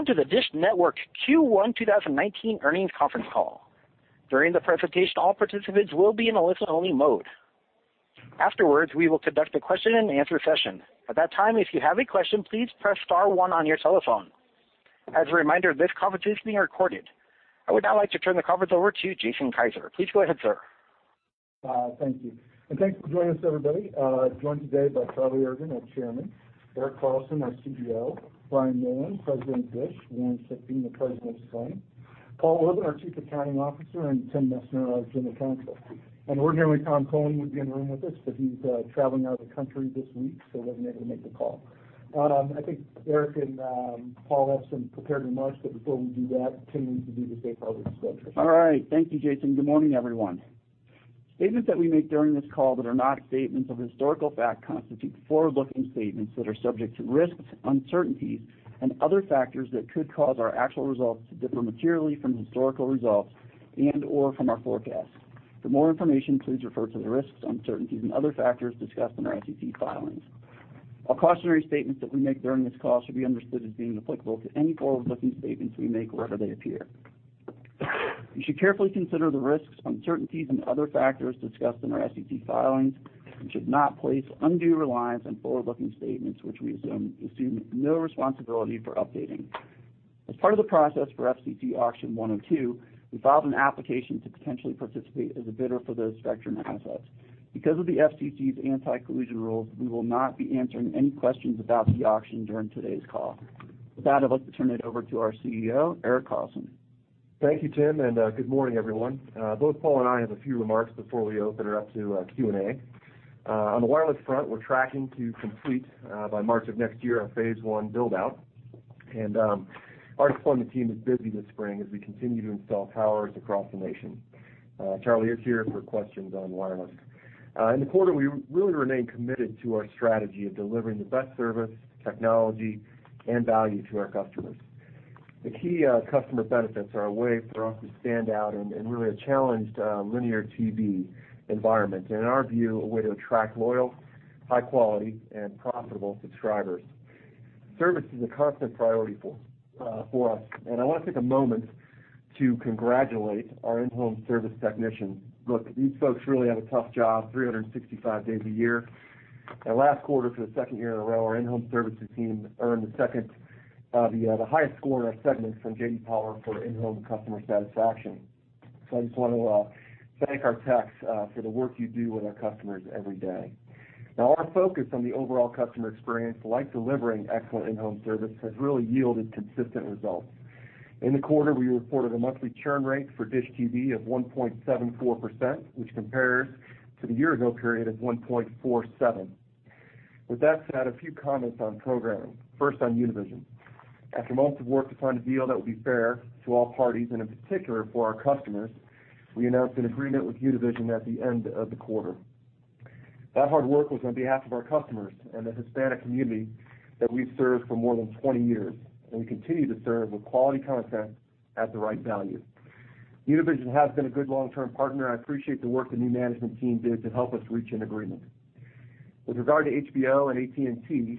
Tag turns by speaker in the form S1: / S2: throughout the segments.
S1: Welcome to the DISH Network Q1 2019 Earnings Conference Call. During the presentation all participants will be in a listen-only mode. Afterwards, we will conduct a question-and-answer session. At that time, if you have a question please press star one on your telephone. As a reminder, this conference is being recorded. I would now like to turn the conference over to Jason Kiser. Please go ahead, sir.
S2: Thank you. Thanks for joining us, everybody. Joined today by Charlie Ergen, our Chairman; Erik Carlson, our CEO; Brian Neylon, President of DISH; Warren Schlichting, the President of Sling; Paul Orban, our Chief Financial Officer; and Tim Messner, our General Counsel. Ordinarily, Thomas A. Cullen would be in the room with us, but he's traveling out of the country this week, wasn't able to make the call. I think Erik and Paul have some prepared remarks, before we do that, Tim will give you the safe harbor statement.
S3: All right. Thank you, Jason. Good morning, everyone. Statements that we make during this call that are not statements of historical fact constitute forward-looking statements that are subject to risks, uncertainties and other factors that could cause our actual results to differ materially from historical results and/or from our forecasts. For more information, please refer to the risks, uncertainties and other factors discussed in our SEC filings. All cautionary statements that we make during this call should be understood as being applicable to any forward-looking statements we make wherever they appear. You should carefully consider the risks, uncertainties and other factors discussed in our SEC filings and should not place undue reliance on forward-looking statements, which we assume no responsibility for updating. As part of the process for FCC Auction 102, we filed an application to potentially participate as a bidder for those spectrum assets. Because of the FCC's anti-collusion rules, we will not be answering any questions about the auction during today's call. With that, I'd like to turn it over to our CEO, Erik Carlson.
S4: Thank you, Tim. Good morning, everyone. Both Paul and I have a few remarks before we open it up to Q&A. On the wireless front, we're tracking to complete by March of next year our phase I build-out. Our deployment team is busy this spring as we continue to install towers across the nation. Charlie is here for questions on wireless. In the quarter, we really remain committed to our strategy of delivering the best service, technology and value to our customers. The key customer benefits are a way for us to stand out in really a challenged linear TV environment, and in our view, a way to attract loyal, high quality and profitable subscribers. Service is a constant priority for us, and I wanna take a moment to congratulate our in-home service technicians. Look, these folks really have a tough job 365 days a year. Last quarter, for the second year in a row, our in-home services team earned the highest score in our segment from J.D. Power for in-home customer satisfaction. I just want to thank our techs for the work you do with our customers every day. Now our focus on the overall customer experience, like delivering excellent in-home service, has really yielded consistent results. In the quarter, we reported a monthly churn rate for DISH TV of 1.74%, which compares to the year ago period of 1.47%. With that said, a few comments on programming. First, on Univision. After months of work to find a deal that would be fair to all parties and in particular for our customers, we announced an agreement with Univision at the end of the quarter. That hard work was on behalf of our customers and the Hispanic community that we've served for more than 20 years, and we continue to serve with quality content at the right value. Univision has been a good long-term partner, and I appreciate the work the new management team did to help us reach an agreement. With regard to HBO and AT&T,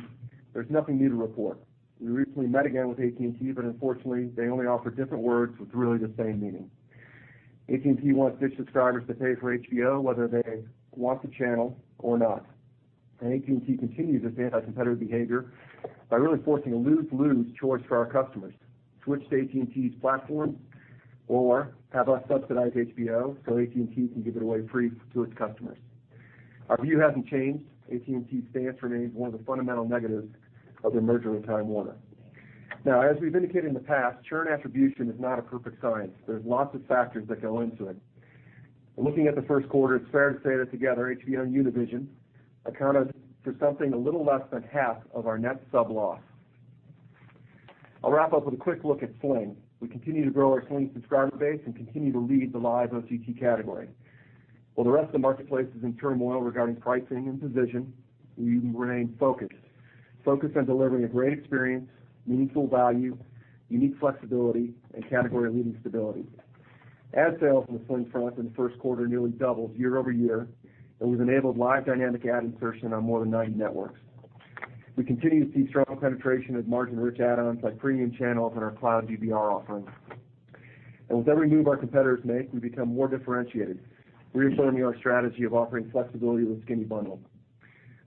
S4: there's nothing new to report. We recently met again with AT&T, but unfortunately, they only offered different words with really the same meaning. AT&T wants DISH subscribers to pay for HBO whether they want the channel or not. AT&T continues this anti-competitive behavior by really forcing a lose-lose choice for our customers. Switch to AT&T's platform or have us subsidize HBO so AT&T can give it away free to its customers. Our view hasn't changed. AT&T's stance remains one of the fundamental negatives of their merger with Time Warner. As we've indicated in the past, churn attribution is not a perfect science. There's lots of factors that go into it. Looking at the first quarter, it's fair to say that together HBO and Univision accounted for something a little less than half of our net sub-loss. I'll wrap up with a quick look at Sling. We continue to grow our Sling subscriber base and continue to lead the live OTT category. While the rest of the marketplace is in turmoil regarding pricing and position, we remain focused on delivering a great experience, meaningful value, unique flexibility and category-leading stability. Ad sales on the Sling front in the first quarter nearly doubled year-over-year. We've enabled live dynamic ad insertion on more than 90 networks. We continue to see strong penetration of margin-rich add-ons like premium channels and our cloud DVR offering. With every move our competitors make, we become more differentiated, reaffirming our strategy of offering flexibility with a skinny bundle.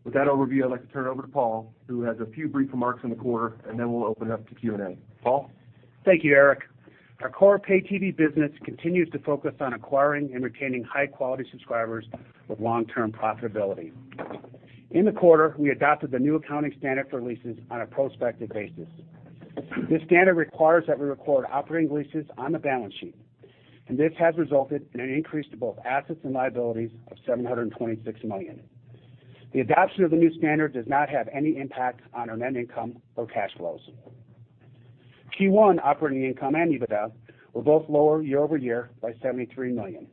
S4: With that overview, I'd like to turn it over to Paul, who has a few brief remarks on the quarter, then we'll open it up to Q&A. Paul?
S5: Thank you, Erik. Our core Pay-TV business continues to focus on acquiring and retaining high-quality subscribers with long-term profitability. In the quarter, we adopted the new accounting standard for leases on a prospective basis. This standard requires that we record operating leases on the balance sheet. This has resulted in an increase to both assets and liabilities of $726 million. The adoption of the new standard does not have any impact on our net income or cash flows. Q1 operating income and EBITDA were both lower year-over-year by $73 million.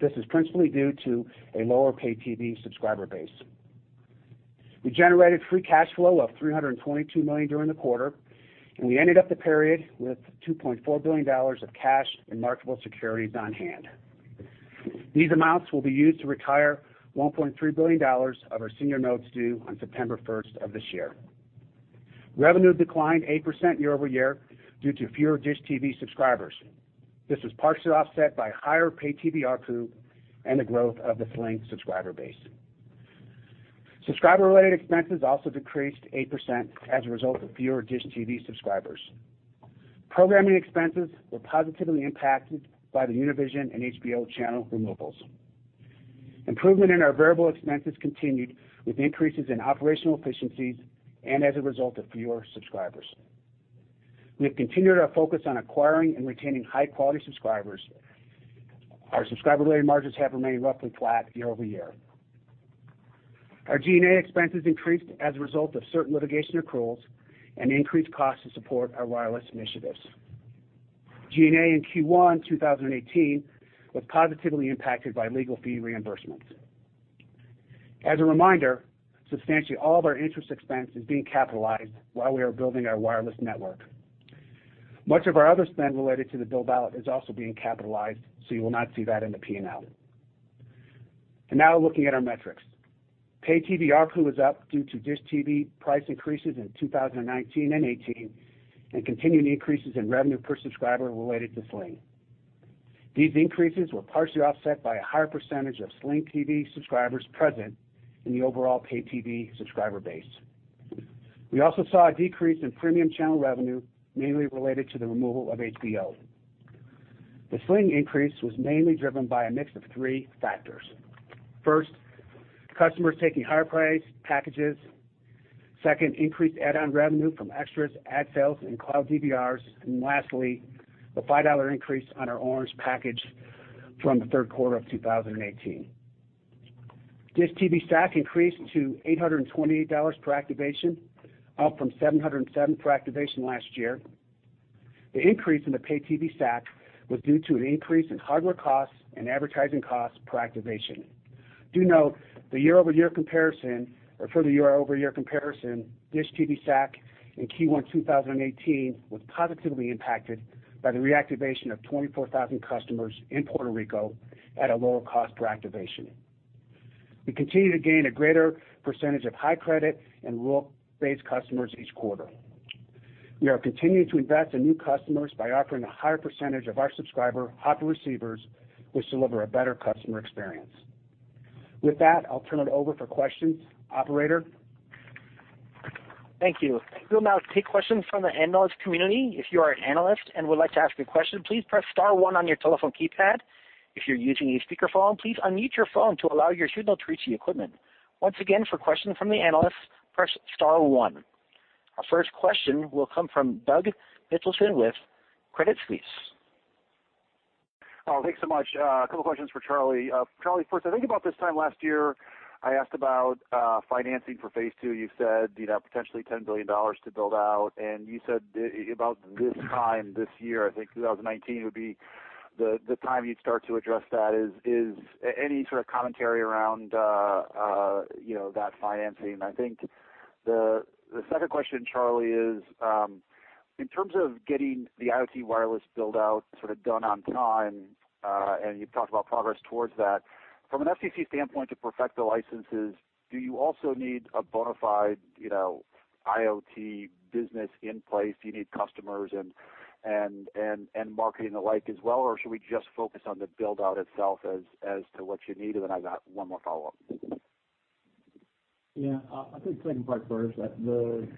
S5: This is principally due to a lower Pay-TV subscriber base. We generated free cash flow of $322 million during the quarter, and we ended up the period with $2.4 billion of cash and marketable securities on hand. These amounts will be used to retire $1.3 billion of our senior notes due on September 1st of this year. Revenue declined 8% year-over-year due to fewer DISH TV subscribers. This was partially offset by higher Pay-TV ARPU and the growth of the Sling subscriber base. Subscriber-related expenses also decreased 8% as a result of fewer DISH TV subscribers. Programming expenses were positively impacted by the Univision and HBO channel removals. Improvement in our variable expenses continued with increases in operational efficiencies and as a result of fewer subscribers. We have continued our focus on acquiring and retaining high-quality subscribers. Our subscriber-related margins have remained roughly flat year-over-year. Our G&A expenses increased as a result of certain litigation accruals and increased costs to support our wireless initiatives. G&A in Q1 2018 was positively impacted by legal fee reimbursements. As a reminder, substantially all of our interest expense is being capitalized while we are building our wireless network. Much of our other spend related to the build-out is also being capitalized, you will not see that in the P&L. Now looking at our metrics. Pay-TV ARPU was up due to DISH TV price increases in 2019 and 2018 and continuing increases in revenue per subscriber related to Sling. These increases were partially offset by a higher percentage of Sling TV subscribers present in the overall Pay-TV subscriber base. We also saw a decrease in premium channel revenue, mainly related to the removal of HBO. The Sling increase was mainly driven by a mix of three factors. First, customers taking higher priced packages. Second, increased add-on revenue from extras, ad sales, and cloud DVRs. Lastly, the $5 increase on our Orange package from the third quarter of 2018. DISH TV SAC increased to $828 per activation, up from $707 per activation last year. The increase in the Pay-TV SAC was due to an increase in hardware costs and advertising costs per activation. Do note for the year-over-year comparison, DISH TV SAC in Q1 2018 was positively impacted by the reactivation of 24,000 customers in Puerto Rico at a lower cost per activation. We continue to gain a greater percentage of high credit and rural-based customers each quarter. We are continuing to invest in new customers by offering a higher percentage of our subscriber Hopper receivers, which deliver a better customer experience. With that, I'll turn it over for questions. Operator?
S1: Thank you. We'll now take questions from the analyst community. If you are analyst and would like to ask some question please press star one on your telephone keypad. If you're using a speaker phone, please unmute your phone to allow signal to reach your equipment. Once again, for question from the analyst, press star one. Our first question will come from Doug Mitchelson with Credit Suisse.
S6: Thanks so much. A couple questions for Charlie. Charlie, first, I think about this time last year, I asked about financing for phase II. You said, you'd have potentially $10 billion to build out, and you said, about this time this year, I think 2019 would be the time you'd start to address that. Is any sort of commentary around, you know, that financing? I think the second question, Charlie, is, in terms of getting the IoT wireless build-out sort of done on time, and you've talked about progress towards that. From an FCC standpoint to perfect the licenses, do you also need a bona fide, you know, IoT business in place? Do you need customers and marketing alike as well, or should we just focus on the build-out itself as to what you need? Then I've got one more follow-up.
S7: I think the second part first. The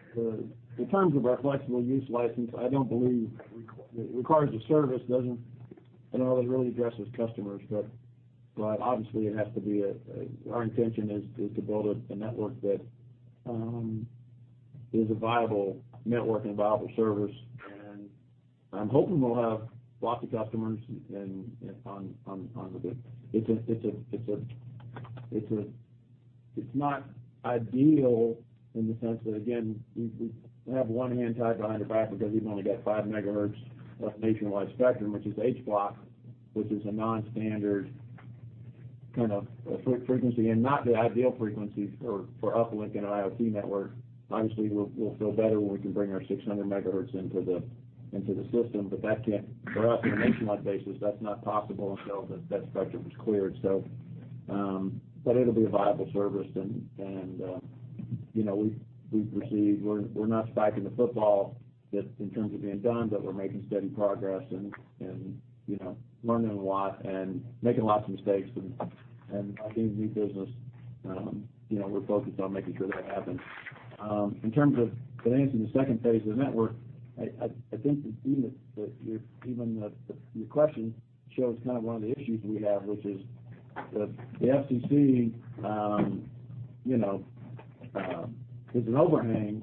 S7: in terms of our flexible use license, I don't believe it requires a service, doesn't, you know, that really addresses customers, but obviously it has to be. Our intention is to build a network that is a viable network and a viable service. I'm hoping we'll have lots of customers. It's not ideal in the sense that, again, we have one hand tied behind our back because we've only got 5 MHz of nationwide spectrum, which is H Block, which is a non-standard kind of frequency and not the ideal frequency for uplink in an IoT network. Obviously, we'll feel better when we can bring our 600 MHz into the system. For us on a nationwide basis, that's not possible until that spectrum is cleared. It'll be a viable service. You know, we're not spiking the football yet in terms of being done, but we're making steady progress and learning a lot and making lots of mistakes and like any new business, you know, we're focused on making sure that happens. In terms of financing the second phase of the network, I think that even the question shows kind of one of the issues we have, which is the FCC is an overhang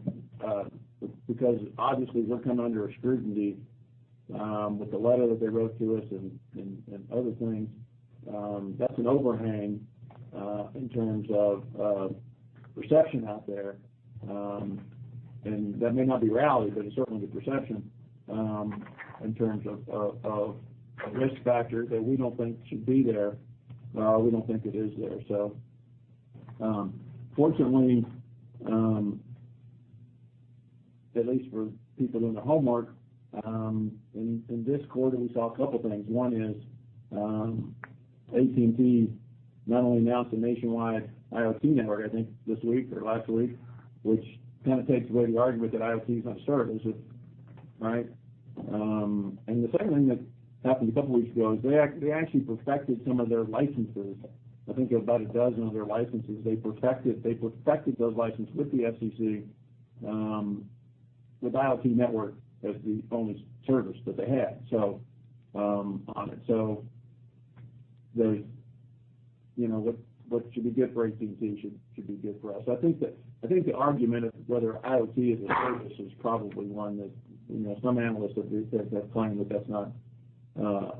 S7: because obviously we're coming under scrutiny with the letter that they wrote to us and other things. That's an overhang in terms of perception out there. That may not be reality, but it's certainly the perception in terms of a risk factor that we don't think should be there, we don't think it is there. Fortunately. At least for people doing their homework, in this quarter, we saw a couple of things. One is, AT&T not only announced a nationwide IoT network, I think this week or last week, which kinda takes away the argument that IoT is not a service, right? The second thing that happened a couple weeks ago is they actually perfected some of their licenses. I think about a dozen of their licenses, they perfected those licenses with the FCC, with IoT network as the only service that they had on it. There's, you know, what should be good for AT&T should be good for us. I think the argument of whether IoT as a service is probably one that, you know, some analysts have claimed that that's not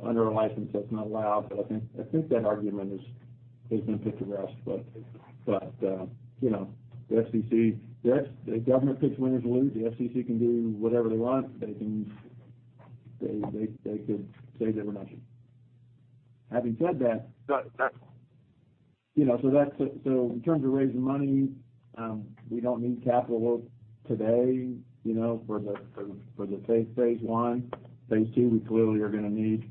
S7: under a license, that's not allowed. I think that argument is gonna be put to rest. You know, the FCC, the government picks winners or lose. The FCC can do whatever they want. They could say they were nothing. Having said that, you know, that's it. In terms of raising money, we don't need capital today, you know, for the phase I. Phase II, we clearly are gonna need,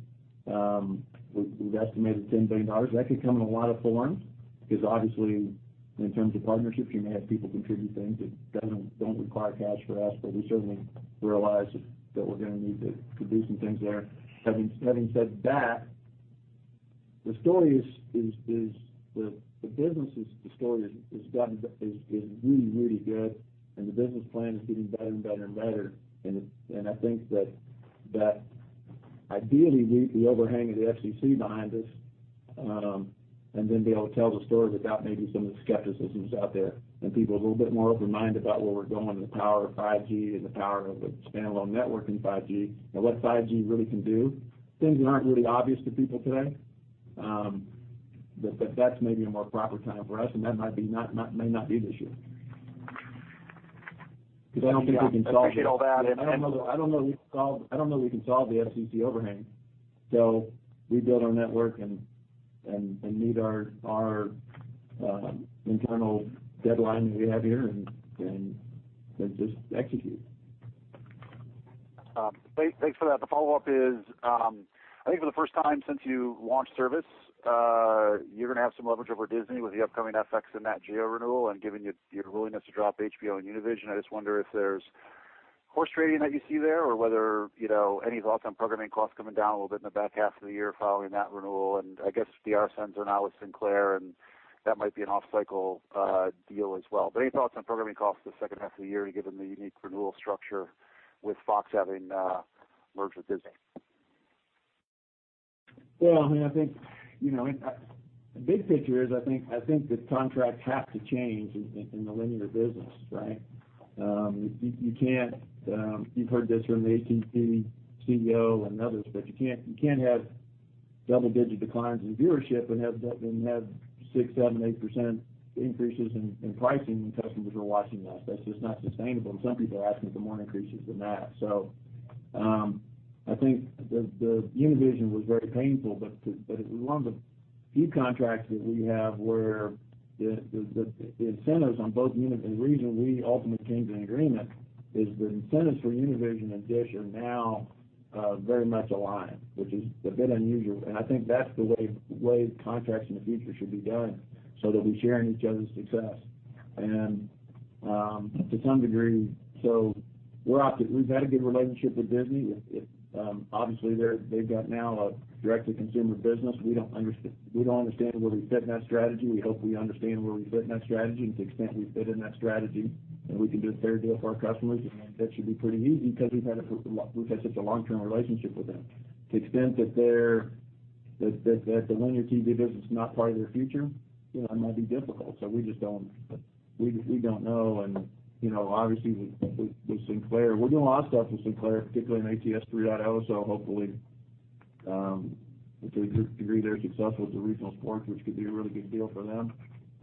S7: we've estimated $10 billion. That could come in a lot of forms 'cause obviously, in terms of partnerships, you may have people contribute things that don't require cash for us. We certainly realize that we're gonna need to do some things there. Having said that, the story is the business' story is really, really good, and the business plan is getting better and better and better. I think that, ideally we the overhang of the FCC behind us, then be able to tell the story without maybe some of the skepticisms out there and people a little bit more open mind about where we're going and the power of 5G and the power of the standalone network in 5G and what 5G really can do, things that aren't really obvious to people today, that's maybe a more proper time for us, and that might not be this year. Because I don't think we can solve it.
S6: I appreciate all that.
S7: I don't know we can solve the FCC overhang. We build our network and meet our internal deadline that we have here and just execute.
S6: Thanks for that. The follow-up is, I think for the first time since you launched service, you're gonna have some leverage over Disney with the upcoming FX and Nat Geo renewal. Given your willingness to drop HBO and Univision, I just wonder if there's horse trading that you see there or whether, you know, any thoughts on programming costs coming down a little bit in the back half of the year following that renewal. I guess the assets are now with Sinclair, and that might be an off-cycle deal as well. Any thoughts on programming costs the second half of the year, given the unique renewal structure with Fox having, merged with Disney?
S7: Well, I mean, I think, you know, the big picture is, I think the contracts have to change in the linear business, right? You can't You've heard this from the AT&T CEO and others, but you can't have double-digit declines in viewership and have 6%, 7%, 8% increases in pricing when customers are watching less. That's just not sustainable. Some people are asking for more increases than that. I think the Univision was very painful, but it was one of the few contracts that we have where the incentives on both and the reason we ultimately came to an agreement is the incentives for Univision and DISH are now very much aligned, which is a bit unusual. I think that's the way contracts in the future should be done, so that we share in each other's success. To some degree, we've had a good relationship with Disney. If, obviously they've got now a direct-to-consumer business. We don't understand where we fit in that strategy. We hope we understand where we fit in that strategy and to the extent we fit in that strategy and we can do a fair deal for our customers, that should be pretty easy because we've had such a long-term relationship with them. To the extent that they're, that the linear TV business is not part of their future, you know, it might be difficult. We just don't know. You know, obviously with Sinclair, we're doing a lot of stuff with Sinclair, particularly in ATSC 3.0. Hopefully, to a good degree, they're successful with the regional sports, which could be a really good deal for them.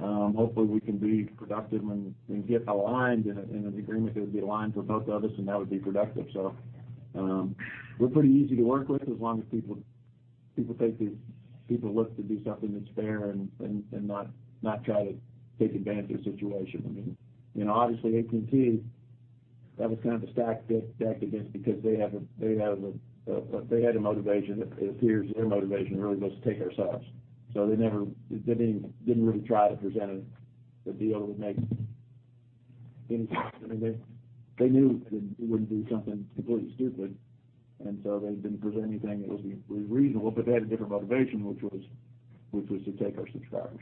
S7: Hopefully, we can be productive and get aligned in an agreement that would be aligned for both of us, and that would be productive. We're pretty easy to work with as long as people look to do something that's fair and not try to take advantage of the situation. You know, obviously AT&T, that was kind of a stacked deck against because they had a motivation. It appears their motivation really was to take our subs. They didn't really try to present a deal that would make any sense. I mean, they knew we wouldn't do something completely stupid, they didn't present anything that was reasonable, but they had a different motivation, which was to take our subscribers.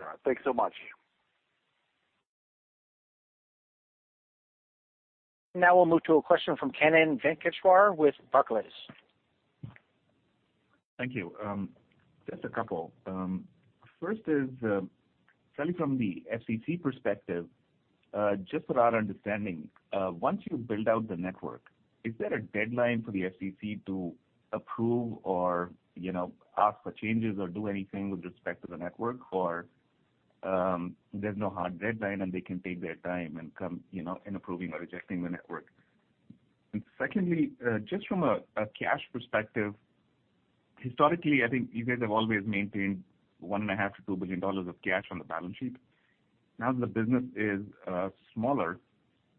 S6: All right. Thanks so much.
S1: Now we'll move to a question from Kannan Venkateshwar with Barclays.
S8: Thank you. Just a couple. First is, Charlie, from the FCC perspective, just for our understanding, once you build out the network, is there a deadline for the FCC to approve or, you know, ask for changes or do anything with respect to the network? There's no hard deadline, and they can take their time and come, you know, in approving or rejecting the network? Secondly, just from a cash perspective Historically, I think you guys have always maintained $1.5 billion-$2 billion of cash on the balance sheet. Now that the business is smaller,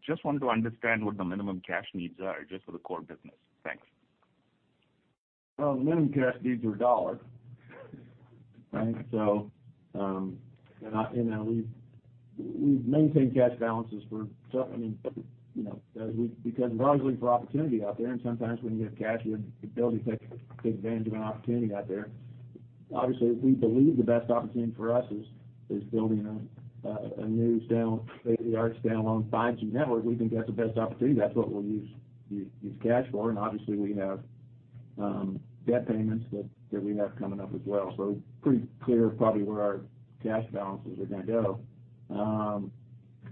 S8: just want to understand what the minimum cash needs are just for the core business. Thanks.
S7: Well, the minimum cash needs are $1. Right? I, you know, we maintain cash balances for I mean, you know, because we're always looking for opportunity out there, and sometimes when you have cash, you have the ability to take advantage of an opportunity out there. Obviously, we believe the best opportunity for us is building a new standalone, state-of-the-art standalone 5G network. We think that's the best opportunity. That's what we'll use cash for. Obviously, we have debt payments that we have coming up as well. Pretty clear probably where our cash balances are gonna go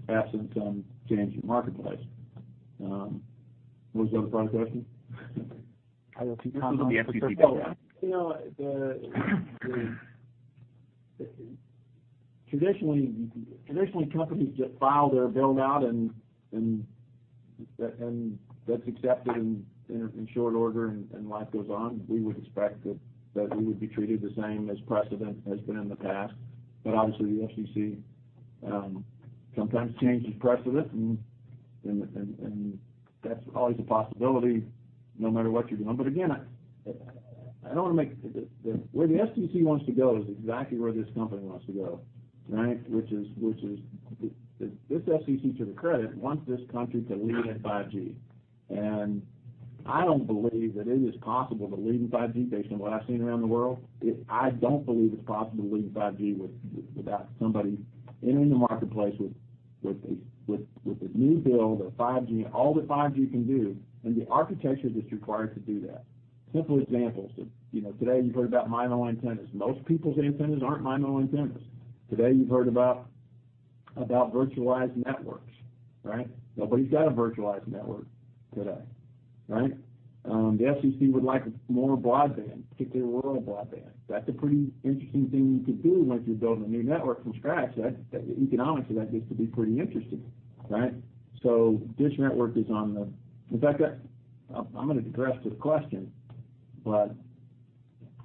S7: absent some change in marketplace. Was there other part of the question?
S8: I have two follow-ups.
S7: You know, traditionally, companies just file their build-out and that's accepted in short order, and life goes on. We would expect that we would be treated the same as precedent has been in the past. Obviously, the FCC sometimes changes precedent and that's always a possibility no matter what you're doing. Again, I don't wanna make where the FCC wants to go is exactly where this company wants to go, right? This FCC, to their credit, wants this country to lead in 5G. I don't believe that it is possible to lead in 5G based on what I've seen around the world. I don't believe it's possible to lead in 5G without somebody entering the marketplace with a new build or 5G, all that 5G can do, and the architecture that's required to do that. Simple examples of, you know, today you've heard about MIMO antennas. Most people's antennas aren't MIMO antennas. Today you've heard about virtualized networks, right? Nobody's got a virtualized network today, right? The FCC would like more broadband, particularly rural broadband. That's a pretty interesting thing you could do once you build a new network from scratch. Economically, that gets to be pretty interesting, right? In fact, I'm gonna digress to the question, but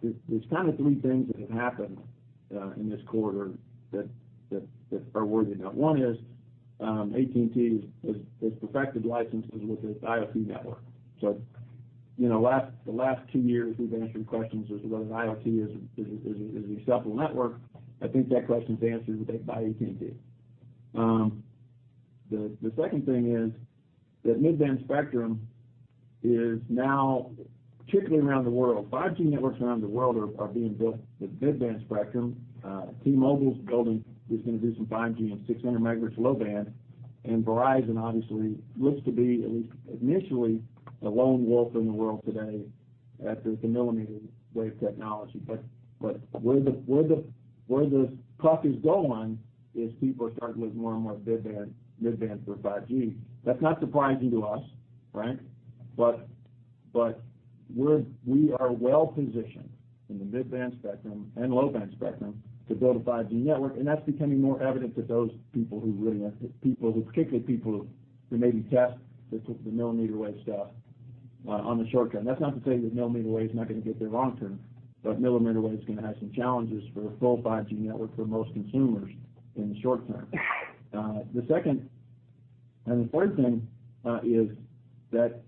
S7: there's kinda three things that have happened in this quarter that are worthy to note. One is, AT&T has perfected licenses with its IoT network. You know, the last two years, we've answered questions as to whether an IoT is a cell network. I think that question's answered with AT&T. The second thing is that mid-band spectrum is now, particularly around the world, 5G networks around the world are being built with mid-band spectrum. T-Mobile's building is going to do some 5G and 600 MHz low band. Verizon obviously looks to be at least initially the lone wolf in the world today after the millimeter wave technology. Where the talk is going is people are starting to look more and more at mid-band for 5G. That's not surprising to us, right? We are well-positioned in the mid-band spectrum and low-band spectrum to build a 5G network, and that's becoming more evident that those people who really are people who particularly people who maybe test the millimeter wave stuff on the short term. That's not to say that millimeter wave is not gonna get there long term, but millimeter wave is gonna have some challenges for a full 5G network for most consumers in the short term. The second and the third thing is that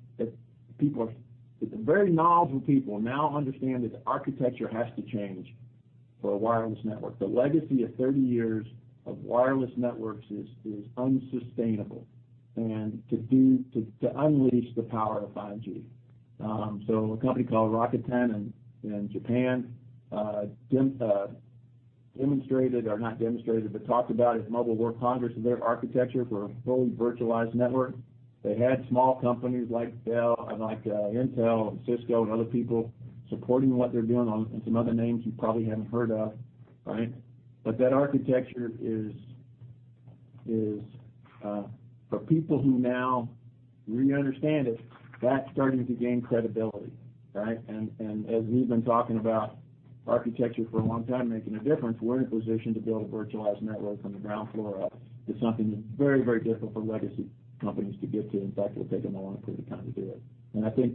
S7: the very knowledgeable people now understand that the architecture has to change for a wireless network. The legacy of 30 years of wireless networks is unsustainable, and to unleash the power of 5G. A company called Rakuten in Japan talked about at Mobile World Congress their architecture for a fully virtualized network. They had small companies like Dell and like Intel and Cisco and other people supporting what they're doing on and some other names you probably haven't heard of, right? That architecture is for people who now really understand it, that's starting to gain credibility, right? As we've been talking about architecture for a long time making a difference, we're in a position to build a virtualized network from the ground floor up to something that's very, very difficult for legacy companies to get to. In fact, it'll take them a long period of time to do it. I think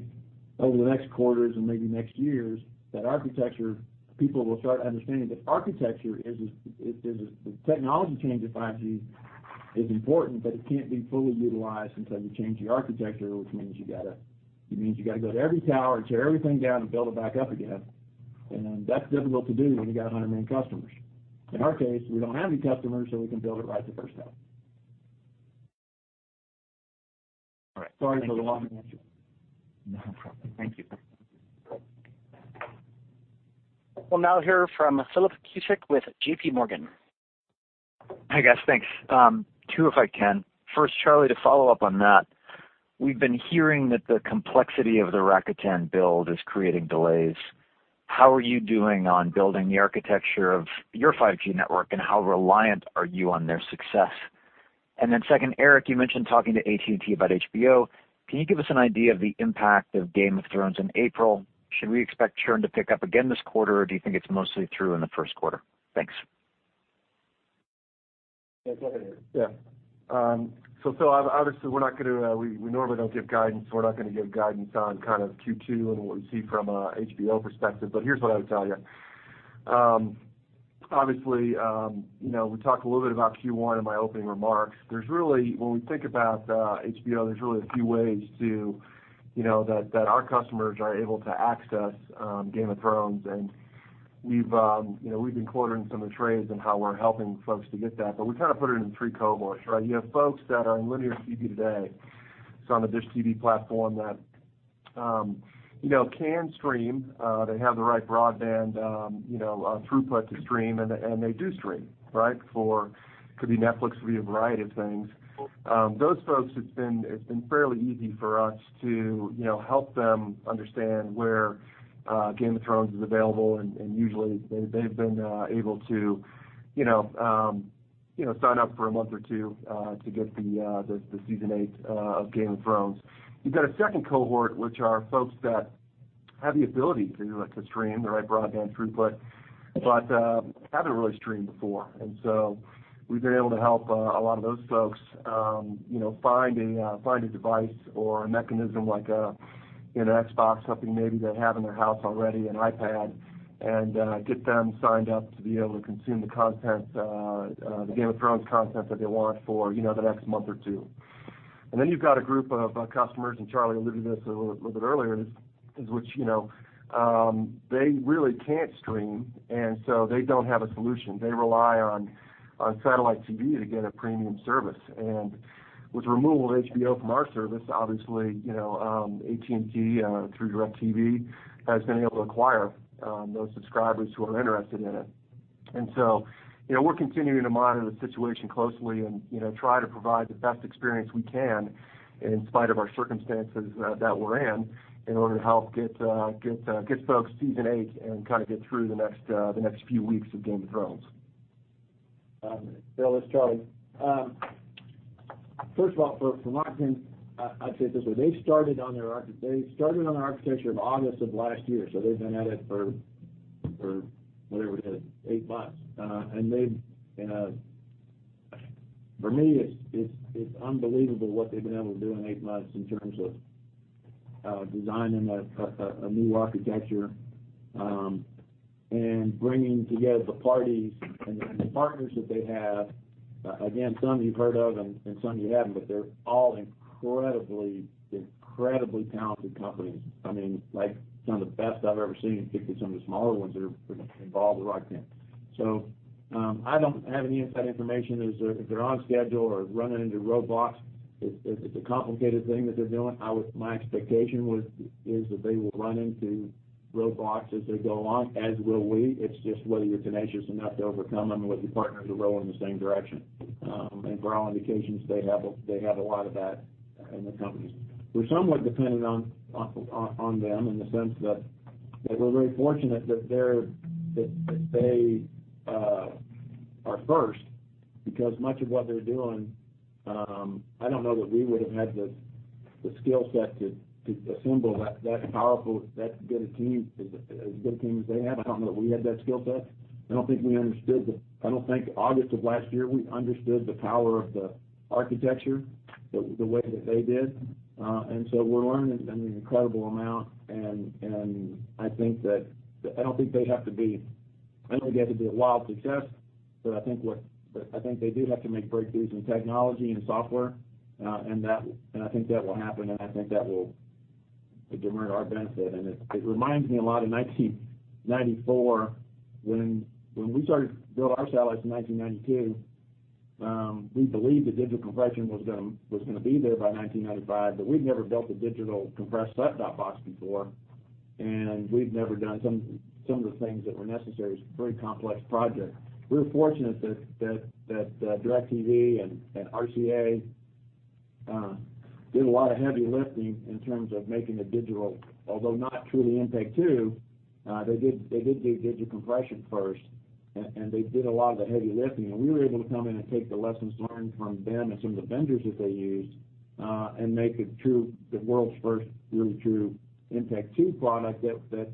S7: over the next quarters and maybe next years, that architecture, people will start understanding that architecture is as the technology change of 5G is important, but it can't be fully utilized until you change the architecture, which means you gotta go to every tower and tear everything down and build it back up again. That's difficult to do when you got 100 million customers. In our case, we don't have any customers, so we can build it right the first time.
S8: All right.
S7: Sorry for the long answer.
S8: No problem. Thank you.
S1: We'll now hear from Philip Cusick with J.P. Morgan.
S9: Hi, guys. Thanks. Two, if I can. First, Charlie, to follow up on that, we've been hearing that the complexity of the Rakuten build is creating delays. How are you doing on building the architecture of your 5G network, and how reliant are you on their success? Then second, Erik, you mentioned talking to AT&T about HBO. Can you give us an idea of the impact of Game of Thrones in April? Should we expect churn to pick up again this quarter, or do you think it's mostly through in the first quarter? Thanks.
S7: Yeah, go ahead, Erik.
S4: Yeah. So obviously we're not gonna, we normally don't give guidance. We're not gonna give guidance on kind of Q2 and what we see from a HBO perspective. Here's what I would tell you. Obviously, you know, we talked a little bit about Q1 in my opening remarks. When we think about HBO, there's really a few ways to, you know, that our customers are able to access Game of Thrones. We've, you know, we've been quoting some of the trades and how we're helping folks to get that, we kind of put it in three cohorts, right? You have folks that are on linear TV today, so on the DISH TV platform that, you know, can stream, they have the right broadband, you know, throughput to stream, and they do stream, right? Could be Netflix, could be a variety of things. Those folks, it's been fairly easy for us to, you know, help them understand where Game of Thrones is available, and usually they've been able to, you know, sign up for a month or two to get the season eight of Game of Thrones. You've got a second cohort, which are folks that have the ability to stream the right broadband throughput but haven't really streamed before. We've been able to help a lot of those folks, you know, find a device or a mechanism like a, you know, Xbox, something maybe they have in their house already, an iPad, and get them signed up to be able to consume the content, the Game of Thrones content that they want for, you know, the next month or two. You've got a group of customers, and Charlie alluded to this a little bit earlier, you know, they really can't stream, so they don't have a solution. They rely on satellite TV to get a premium service. With the removal of HBO from our service, obviously, you know, AT&T through DIRECTV has been able to acquire those subscribers who are interested in it. You know, we're continuing to monitor the situation closely and, you know, try to provide the best experience we can in spite of our circumstances that we're in order to help get folks season eight and kinda get through the next few weeks of Game of Thrones.
S7: Philip, it's Charlie. First of all, for Rakuten, I'd say it this way. They started on their architecture in August of last year, so they've been at it for whatever it is, eight months. For me, it's unbelievable what they've been able to do in eight months in terms of designing a new architecture and bringing together the parties and the partners that they have. Again, some you've heard of and some you haven't, they're all incredibly talented companies. I mean, like some of the best I've ever seen, particularly some of the smaller ones that are involved with Rakuten. I don't have any inside information as to if they're on schedule or running into roadblocks. It's a complicated thing that they're doing. My expectation was, is that they will run into roadblocks as they go along, as will we. It's just whether you're tenacious enough to overcome them with the partners who are rowing in the same direction. By all indications, they have a lot of that in the companies. We're somewhat dependent on them in the sense that we're very fortunate that they are first because much of what they're doing, I don't know that we would have had the skill set to assemble that powerful, that good a team, as good a team as they have. I don't know that we had that skill set. I don't think we understood. I don't think August of last year, we understood the power of the architecture the way that they did. We're learning an incredible amount and I think that I don't think they have to be a wild success, but I think they do have to make breakthroughs in technology and software. I think that will happen, and I think that will be to our benefit. It reminds me a lot of 1994 when we started to build our satellites in 1992, we believed that digital compression was gonna be there by 1995, but we'd never built a digital compressed set-top box before, and we'd never done some of the things that were necessary. It was a very complex project. We were fortunate that DIRECTV and RCA did a lot of heavy lifting in terms of making the digital, although not truly MPEG-2, they did do digital compression first, and they did a lot of the heavy lifting. We were able to come in and take the lessons learned from them and some of the vendors that they used, and make a true, the world's first really true MPEG-2 product that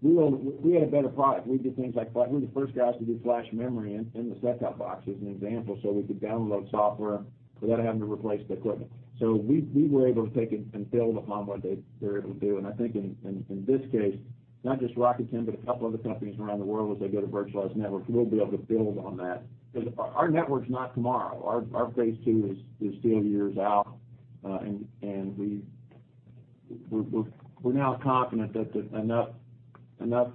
S7: we owned. We had a better product. We did things like we were the first guys to do flash memory in the set-top box, as an example, so we could download software without having to replace the equipment. We were able to take it and build upon what they were able to do. I think in this case, not just Rakuten, but a couple other companies around the world as they go to virtualized networks, we'll be able to build on that. 'Cause our network's not tomorrow. Our phase II is still years out. We're now confident that enough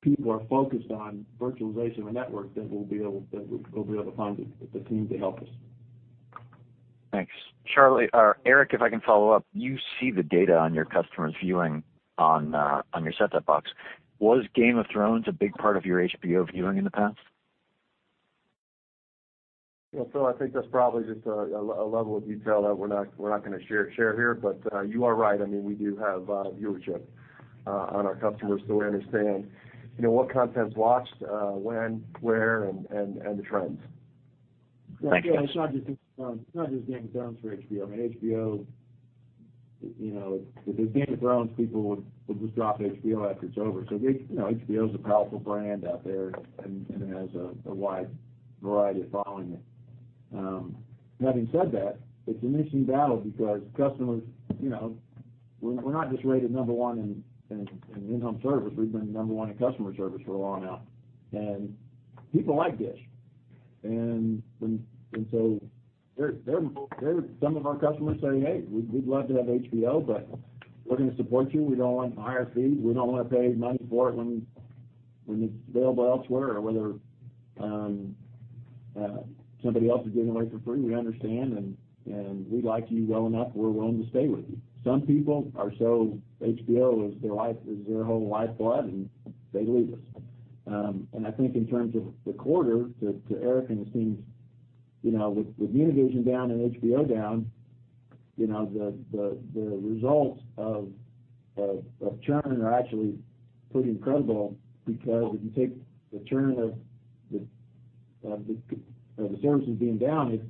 S7: people are focused on virtualization of the network that we'll be able to find the team to help us.
S9: Thanks. Charlie, or Erik, if I can follow up. You see the data on your customers' viewing on your set-top box. Was Game of Thrones a big part of your HBO viewing in the past?
S4: I think that's probably just a level of detail that we're not gonna share here. You are right. I mean, we do have viewership on our customers, so we understand, you know, what content's watched, when, where, and the trends.
S7: Again, it's not just Game of Thrones for HBO. I mean, HBO, you know, if it's Game of Thrones, people would just drop HBO after it's over. You know, HBO is a powerful brand out there and it has a wide variety of following. Having said that, it's a mission battle because customers, you know, we're not just rated number one in in-home service. We've been number one in customer service for a long now, and people like DISH. Some of our customers say, "Hey, we'd love to have HBO, but we're gonna support you. We don't want higher fees. We don't wanna pay money for it when it's available elsewhere or whether somebody else is giving away for free. We understand and we like you well enough, we're willing to stay with you." Some people are so HBO is their life, is their whole lifeblood, and they leave us. I think in terms of the quarter to Erik and his team, you know, with Univision down and HBO down, you know, the results of churn are actually pretty incredible because if you take the churn of the services being down,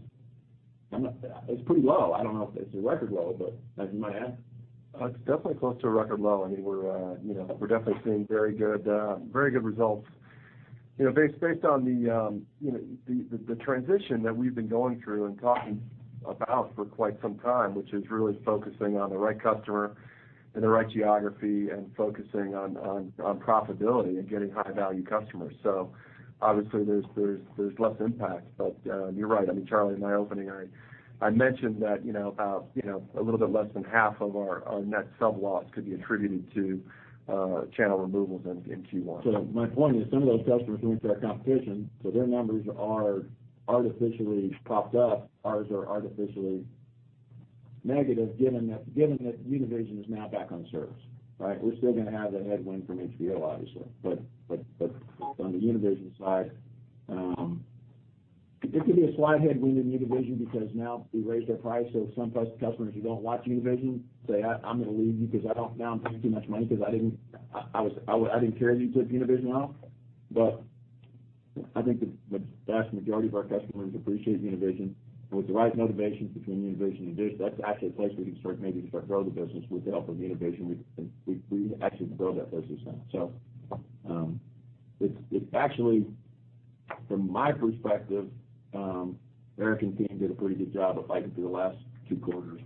S7: it's pretty low. I don't know if it's a record low, but you might add?
S4: It's definitely close to a record low. I mean, we're, you know, we're definitely seeing very good, very good results. You know, based on the, you know, the transition that we've been going through and talking about for quite some time, which is really focusing on the right customer and the right geography and focusing on profitability and getting high value customers. Obviously there's less impact. You're right. I mean, Charlie, in my opening, I mentioned that, you know, about, you know, a little bit less than half of our net sub loss could be attributed to channel removals in Q1.
S7: My point is some of those customers went to our competition, so their numbers are artificially propped up. Ours are artificially negative given that Univision is now back on service, right? We're still gonna have the headwind from HBO obviously, but on the Univision side, there could be a slight headwind in Univision because now we raised our price. Some customers who don't watch Univision say, "I'm gonna leave you 'cause Now I'm paying too much money because I didn't care that you took Univision off." I think the vast majority of our customers appreciate Univision and with the right motivation between Univision and DISH, that's actually a place we can start to grow the business with the help of Univision. We actually build that business now. It's actually, from my perspective, Erik and team did a pretty good job of fighting through the last two quarters.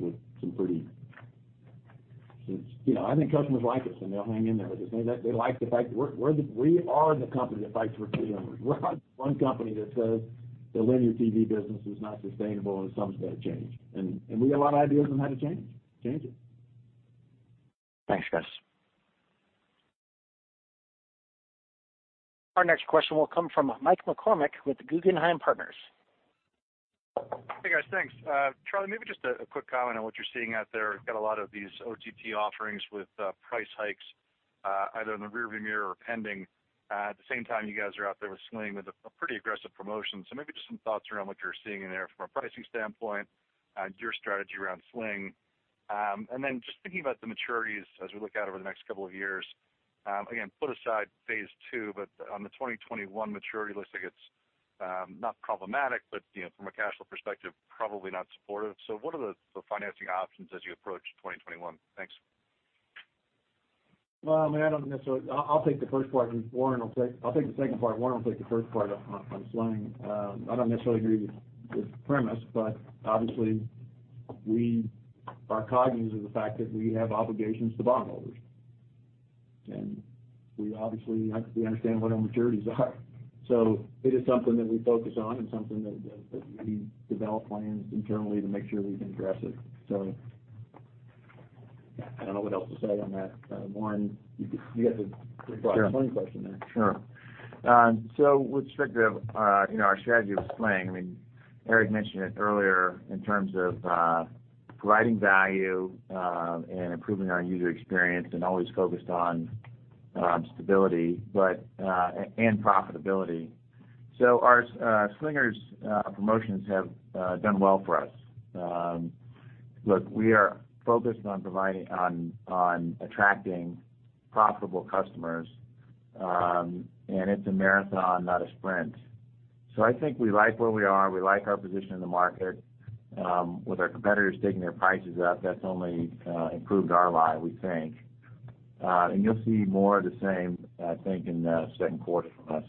S7: You know, I think customers like us and they'll hang in there with us. They like the fact we're the company that fights for consumers. We're not one company that says the linear TV business is not sustainable and shuns that change. We got a lot of ideas on how to change it.
S9: Thanks, guys.
S1: Our next question will come from Mike McCormack with Guggenheim Partners.
S10: Hey, guys. Thanks. Charlie, maybe just a quick comment on what you're seeing out there. We've got a lot of these OTT offerings with price hikes, either in the rear view mirror or pending. At the same time, you guys are out there with Sling with a pretty aggressive promotion. Maybe just some thoughts around what you're seeing in there from a pricing standpoint, your strategy around Sling. Just thinking about the maturities as we look out over the next couple of years. Again, put aside phase II, but on the 2021 maturity, it looks like it's not problematic, but, you know, from a cash flow perspective, probably not supportive. What are the financing options as you approach 2021? Thanks.
S7: Well, I mean, I don't necessarily I'll take the second part, Warren will take the first part on Sling. I don't necessarily agree with the premise, but obviously we are cognizant of the fact that we have obligations to bondholders. We obviously understand what our maturities are. It is something that we focus on and something that we develop plans internally to make sure we can address it. I don't know what else to say on that. Warren, you got the Sling question there.
S11: Sure. With respect to, you know, our strategy with Sling, I mean, Erik mentioned it earlier in terms of providing value, improving our user experience and always focused on stability, but and profitability. Our Sling promotions have done well for us. Look, we are focused on attracting profitable customers, and it's a marathon, not a sprint. I think we like where we are. We like our position in the market. With our competitors taking their prices up, that's only improved our lot, we think. You'll see more of the same, I think, in the second quarter from us.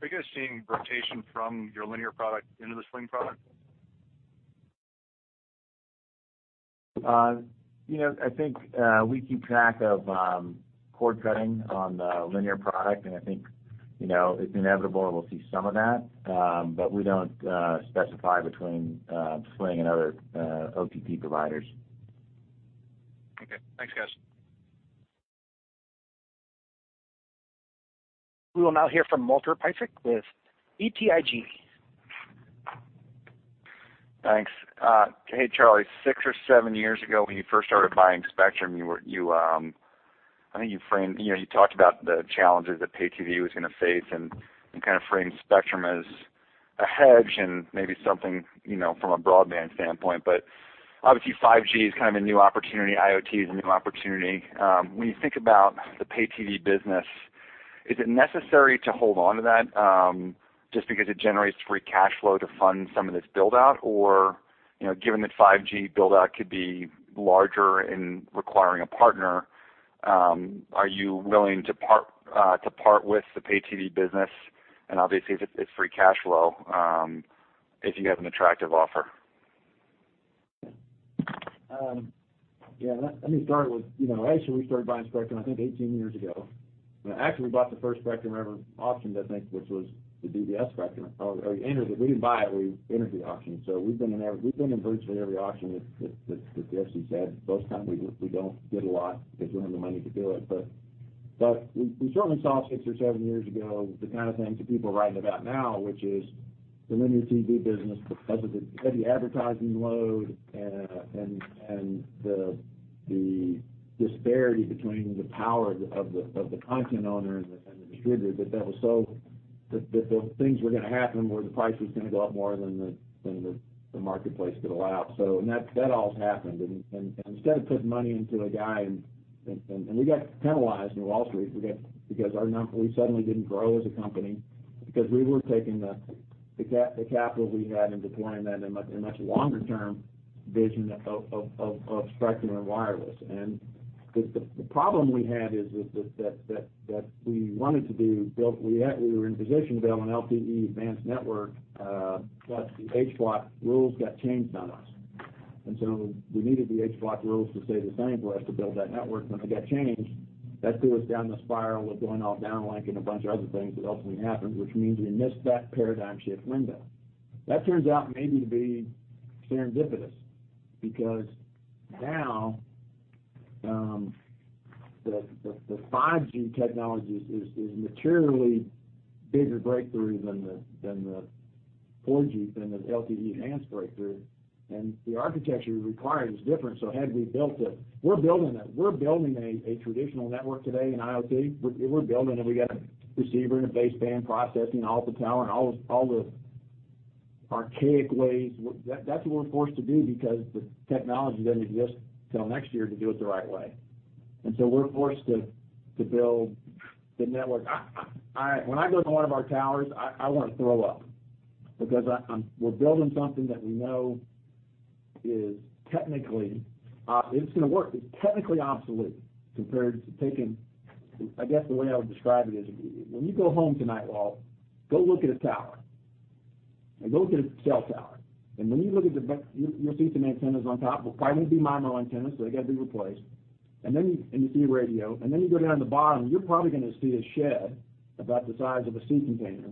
S10: Are you guys seeing rotation from your linear product into the Sling product?
S11: You know, I think, we keep track of cord cutting on the linear product, and I think, you know, it's inevitable we'll see some of that. We don't specify between Sling and other OTT providers.
S10: Okay. Thanks, guys.
S1: We will now hear from Walter Piecyk with BTIG.
S12: Thanks. Hey, Charlie. Six or seven years ago, when you first started buying Spectrum, You, I think you framed, you know, you talked about the challenges that Pay-TV was gonna face and kind of framed Spectrum as a hedge and maybe something, you know, from a broadband standpoint. Obviously, 5G is kind of a new opportunity. IoT is a new opportunity. When you think about the Pay-TV business, is it necessary to hold on to that just because it generates free cash flow to fund some of this build-out? You know, given that 5G build-out could be larger in requiring a partner, are you willing to part to part with the Pay-TV business and obviously if it's free cash flow, if you have an attractive offer?
S7: Let me start with, you know, actually, we started buying spectrum I think 18 years ago. Actually, we bought the first spectrum ever auctioned, I think, which was the DBS spectrum. Or entered it. We didn't buy it, we entered the auction. We've been in virtually every auction that the FCC's had. Most of the time we don't get a lot because we don't have the money to do it. We certainly saw 6 or 7 years ago the kind of things that people are writing about now, which is the linear TV business, because of the heavy advertising load, and the disparity between the power of the content owner and the distributor, that things were gonna happen where the price was gonna go up more than the marketplace could allow. And that all has happened. And instead of putting money into a guy and we got penalized on Wall Street. We suddenly didn't grow as a company because we were taking the capital we had and deploying that in much longer term vision of spectrum and wireless. The problem we had is that we were in position to build an LTE Advanced network, but the H Block rules got changed on us. We needed the H Block rules to stay the same for us to build that network. When they got changed, that threw us down the spiral of going all down link and a bunch of other things that ultimately happened, which means we missed that paradigm shift window. That turns out maybe to be serendipitous because now the 5G technology is materially bigger breakthrough than the 4G, than the LTE enhanced breakthrough. The architecture required is different. Had we built it. We're building it. We're building a traditional network today in IoT. We're building it. We got a receiver and a baseband processing, all the talent, all the, all the archaic ways. That's what we're forced to do because the technology doesn't exist till next year to do it the right way. We're forced to build the network. When I go to one of our towers, I wanna throw up because I'm building something that we know is technically, it's gonna work. It's technically obsolete compared to taking I guess the way I would describe it is when you go home tonight, Walt, go look at a tower and go look at a cell tower. When you look at the back, you'll see some antennas on top. Well, probably gonna be MIMO antennas, so they gotta be replaced. Then you, and you see a radio, and then you go down to the bottom, you're probably gonna see a shed about the size of a sea container.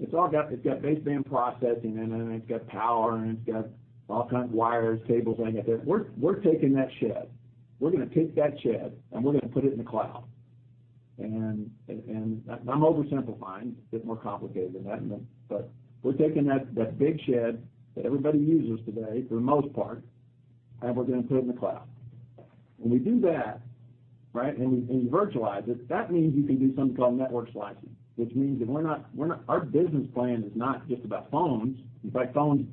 S7: It's all got, it's got baseband processing in it, and it's got power, and it's got all kinds of wires, cables hanging there. We're taking that shed. We're gonna take that shed, and we're gonna put it in the cloud. I'm oversimplifying. It's a bit more complicated than that, but we're taking that big shed that everybody uses today, for the most part, and we're gonna put it in the cloud. When we do that, right, and we, and we virtualize it, that means you can do something called network slicing, which means that we're not. Our business plan is not just about phones. In fact, phones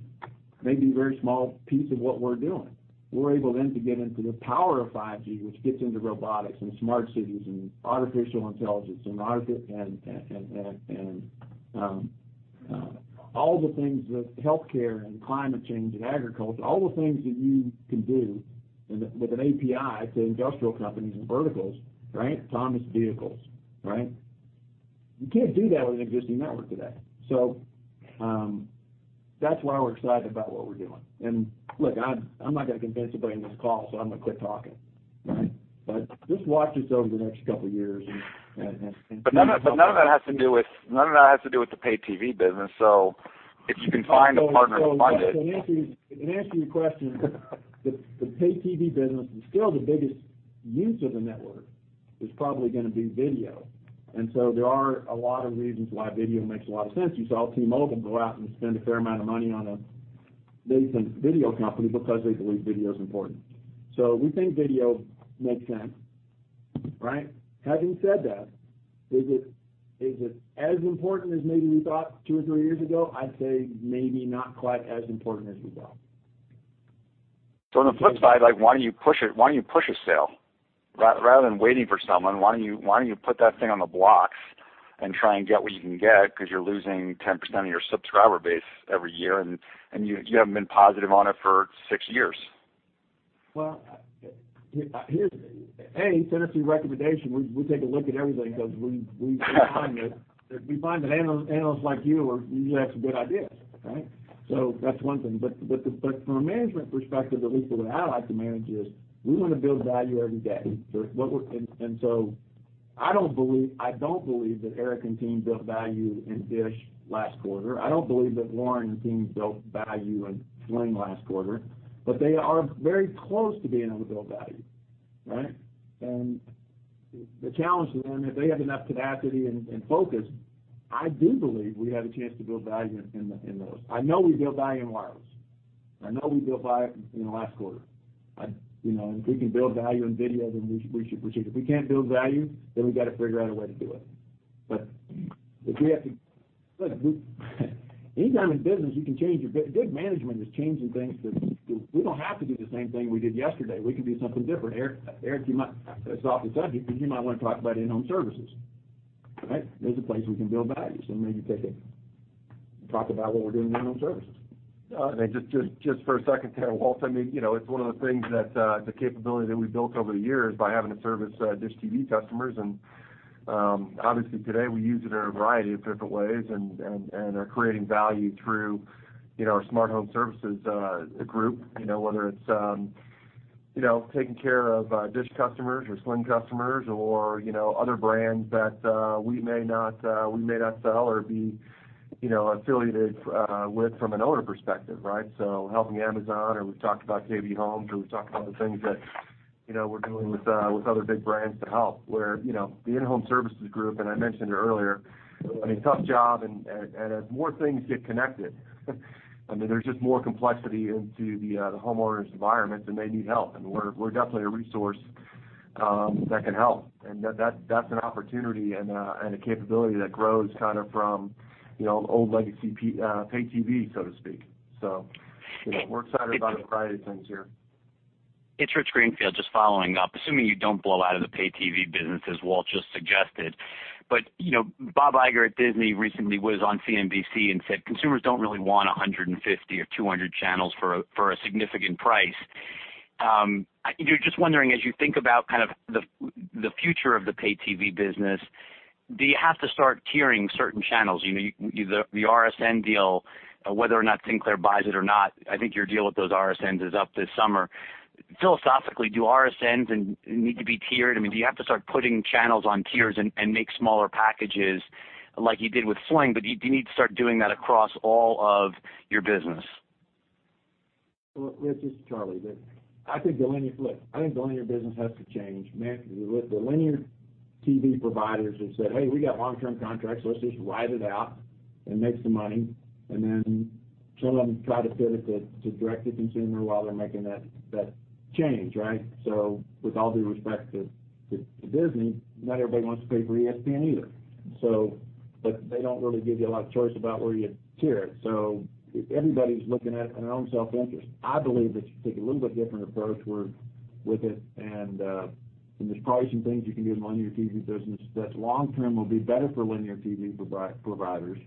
S7: may be a very small piece of what we're doing. We're able then to get into the power of 5G, which gets into robotics and smart cities and artificial intelligence and all the things with healthcare and climate change and agriculture, all the things that you can do with an API to industrial companies and verticals, right? Autonomous vehicles, right? You can't do that with an existing network today. That's why we're excited about what we're doing. Look, I'm not gonna convince anybody in this call, so I'm gonna quit talking, right? Just watch this over the next couple of years.
S12: None of that has to do with the Pay TV business. If you can find a partner to fund it.
S7: So in answer to your question, the Pay-TV business and still the biggest use of the network is probably gonna be video. There are a lot of reasons why video makes a lot of sense. You saw T-Mobile go out and spend a fair amount of money on a, they think, video company because they believe video is important. We think video makes sense, right? Having said that, is it as important as maybe we thought two or three years ago? I'd say maybe not quite as important as we thought.
S12: On the flip side, like why don't you push it, why don't you push a sale? Rather than waiting for someone, why don't you put that thing on the blocks and try and get what you can get? Because you're losing 10% of your subscriber base every year, and you haven't been positive on it for six years.
S7: Well, here's a [ten-cent] recommendation, we take a look at everything because we find that analysts like you have some good ideas, right? That's one thing. From a management perspective, at least the way I like to manage is, we wanna build value every day. I don't believe that Erik and team built value in DISH last quarter. I don't believe that Warren and team built value in Sling last quarter, but they are very close to being able to build value, right? The challenge for them, if they have enough capacity and focus, I do believe we have a chance to build value in those. I know we build value in wireless. I know we build value in the last quarter. You know, if we can build value in video, then we should. If we have to. Look, good management is changing things that we don't have to do the same thing we did yesterday. We can do something different. Erik, you might wanna talk about smart home services, right? There's a place we can build value, maybe take it and talk about what we're doing smart home services.
S4: Just for a second there, Walter, I mean, you know, it's one of the things that the capability that we built over the years by having to service DISH TV customers and, obviously today we use it in a variety of different ways and are creating value through, you know, our smart home services group, you know, whether it's, you know, taking care of DISH customers or Sling customers or, you know, other brands that we may not sell or be, you know, affiliated with from an owner perspective, right? Helping Amazon, or we've talked about KB Home, or we've talked about the things that, you know, we're doing with other big brands to help where, you know, the in-home services group, and I mentioned earlier, I mean, tough job and as more things get connected, I mean, there's just more complexity into the homeowner's environment and they need help. We're definitely a resource that can help. That's an opportunity and a capability that grows kind of from, you know, old legacy Pay-TV, so to speak. You know, we're excited about a variety of things here.
S13: It's Rich Greenfield just following up. Assuming you don't blow out of the Pay-TV business as Walter just suggested, but, you know, Bob Iger at Disney recently was on CNBC and said consumers don't really want 150 or 200 channels for a significant price. You're just wondering, as you think about kind of the future of the Pay-TV business, do you have to start tiering certain channels? You know, the RSN deal, whether or not Sinclair buys it or not, I think your deal with those RSNs is up this summer. Philosophically, do RSNs need to be tiered? I mean, do you have to start putting channels on tiers and make smaller packages like you did with Sling, but do you need to start doing that across all of your business?
S7: This is Charlie. I think the linear business has to change. Look, the linear TV providers have said, "Hey, we got long-term contracts, let's just ride it out and make some money." Some of them try to pivot to direct-to-consumer while they're making that change, right? With all due respect to Disney, not everybody wants to pay for ESPN either. They don't really give you a lot of choice about where you tier it. Everybody's looking at in their own self-interest. I believe that you take a little bit different approach with it and there's probably some things you can do in the linear TV business that long term will be better for linear TV providers,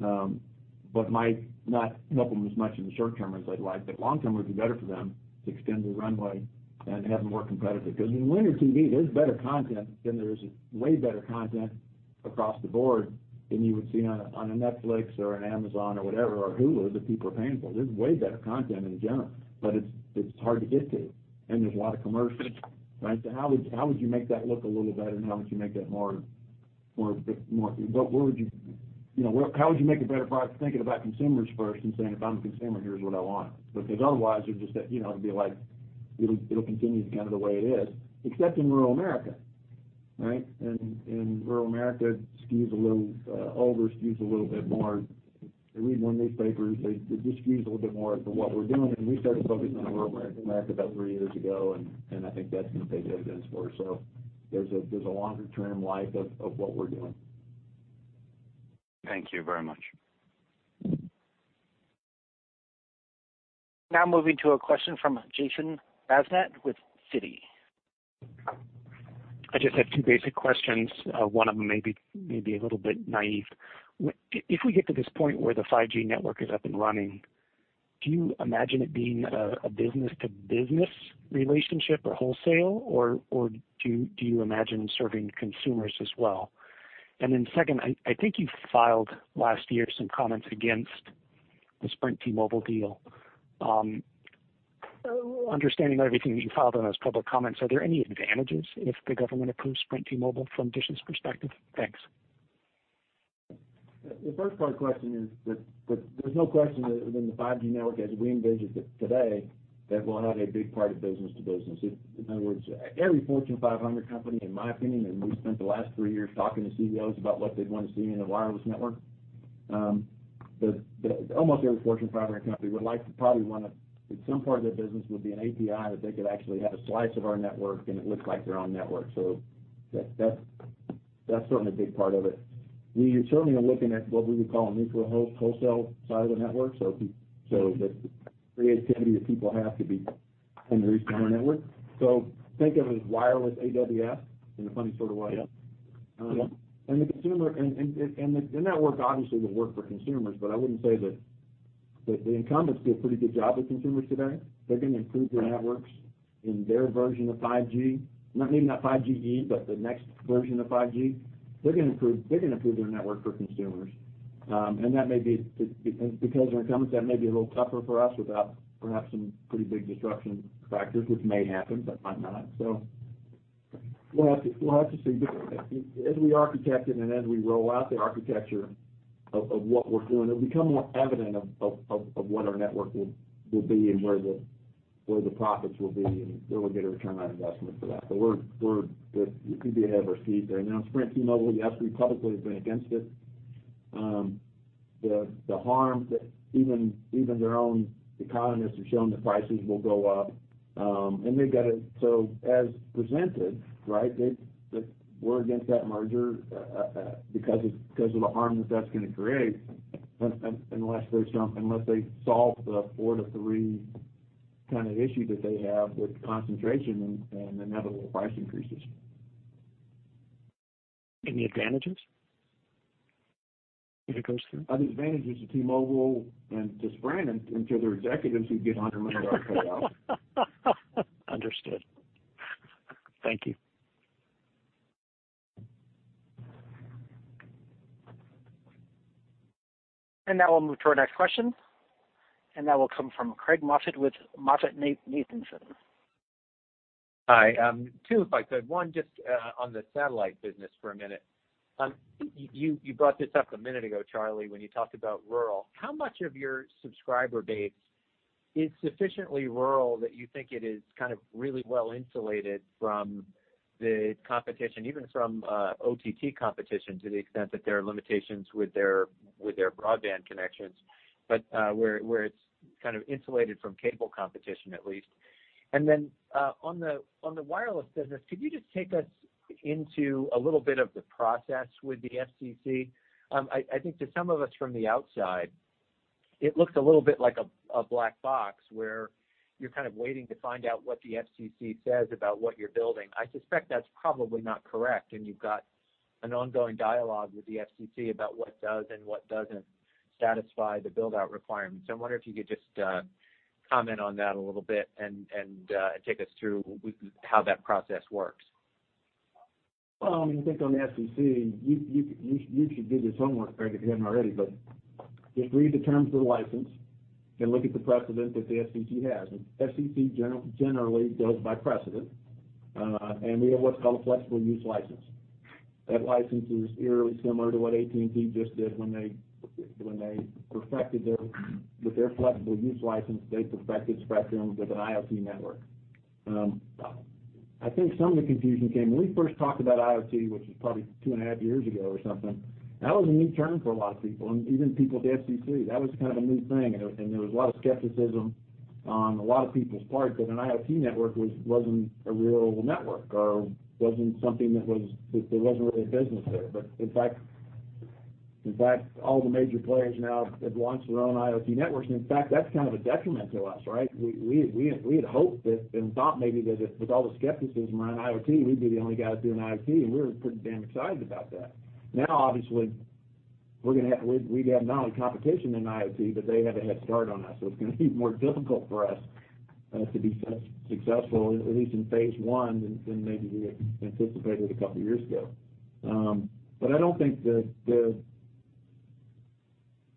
S7: but might not help them as much in the short term as they'd like. Long term would be better for them to extend the runway and have more competitive. In linear TV, there's better content than there is way better content across the board than you would see on a Netflix or an Amazon or whatever, or Hulu that people are paying for. There's way better content in general, but it's hard to get to, and there's a lot of commercials, right? How would you make that look a little better, and how would you make that more, a bit more? How would you make a better product thinking about consumers first and saying, "If I'm a consumer, here's what I want." Otherwise you're just, you know, it'd be like it'll continue to kind of the way it is, except in rural America, right? Rural America skews a little older, skews a little bit more, they read more newspapers. They just skews a little bit more for what we're doing, we started focusing on rural America about three years ago, and I think that's gonna pay dividends for us. There's a longer term life of what we're doing.
S13: Thank you very much.
S1: Now moving to a question from Jason Bazinet with Citi.
S14: I just have two basic questions, one of them may be a little bit naive. If we get to this point where the 5G network is up and running, do you imagine it being a business to business relationship or wholesale, or do you imagine serving consumers as well? Then second, I think you filed last year some comments against the Sprint T-Mobile deal. Understanding everything that you filed on those public comments, are there any advantages if the government approves Sprint T-Mobile from DISH's perspective? Thanks.
S7: The first part of the question is that there's no question that when the 5G network, as we envision it today, that we'll have a big part of business to business. In other words, every Fortune 500 company, in my opinion, and we've spent the last three years talking to CEOs about what they'd wanna see in a wireless network, almost every Fortune 500 company would like to probably wanna some part of their business would be an API that they could actually have a slice of our network, and it looks like their own network. That's certainly a big part of it. We certainly are looking at what we would call a neutral host wholesale side of the network, so that the creativity that people have to be in the [recent] network. Think of it as wireless AWS in a funny sort of way.
S14: Yeah.
S7: And the consumer and the network obviously will work for consumers, I wouldn't say that the incumbents do a pretty good job with consumers today. They're gonna improve their networks in their version of 5G. Not meaning that 5GE, but the next version of 5G. They're gonna improve their network for consumers. That may be because they're incumbents, that may be a little tougher for us without perhaps some pretty big disruption factors, which may happen, but might not. We'll have to see. As we architect it and as we roll out the architecture of what we're doing, it'll become more evident of what our network will be and where the profits will be, and where we get a return on investment for that. We're the it could be a [scheme] there. Now, Sprint T-Mobile, yes, we publicly have been against it. The harm that even their own economists have shown that prices will go up. They've got it so as presented, right, that we're against that merger because of the harm that that's gonna create unless they solve the four to three kind of issue that they have with concentration and inevitable price increases.
S14: Any advantages if it goes through?
S7: The advantages to T-Mobile and to Sprint and to their executives who get $100 million payout.
S14: Understood. Thank you.
S1: Now we'll move to our next question, and that will come from Craig Moffett with MoffettNathanson.
S15: Hi, two, if I could. One just on the satellite business for a minute. You, you brought this up a minute ago, Charlie, when you talked about rural. How much of your subscriber base is sufficiently rural that you think it is kind of really well insulated from the competition, even from OTT competition to the extent that there are limitations with their, with their broadband connections, but, where it's kind of insulated from cable competition at least? On the, on the wireless business, could you just take us into a little bit of the process with the FCC? I think to some of us from the outside, it looks a little bit like a black box, where you're kind of waiting to find out what the FCC says about what you're building. I suspect that's probably not correct, and you've got an ongoing dialogue with the FCC about what does and what doesn't satisfy the build-out requirements. I wonder if you could just comment on that a little bit and take us through how that process works?
S7: Well, I mean, I think on the FCC, you should do your homework there if you haven't already. Just read the terms of the license and look at the precedent that the FCC has. FCC generally goes by precedent, and we have what's called a flexible use license. That license is eerily similar to what AT&T just did when they perfected with their flexible use license, they perfected spectrum with an IoT network. I think some of the confusion came when we first talked about IoT, which was probably 2.5 years ago or something. That was a new term for a lot of people, even people at the FCC. That was kind of a new thing, and there was a lot of skepticism on a lot of people's part that an IoT network wasn't a real network or wasn't something that there wasn't really a business there. In fact, all the major players now have launched their own IoT networks, and in fact, that's kind of a detriment to us, right? We had hoped that and thought maybe that if with all the skepticism around IoT, we'd be the only guy doing IoT, and we were pretty damn excited about that. Obviously, we're gonna have we have not only competition in IoT, but they have a head start on us, so it's gonna be more difficult for us to be successful, at least in phase I than maybe we had anticipated a couple years ago. I don't think the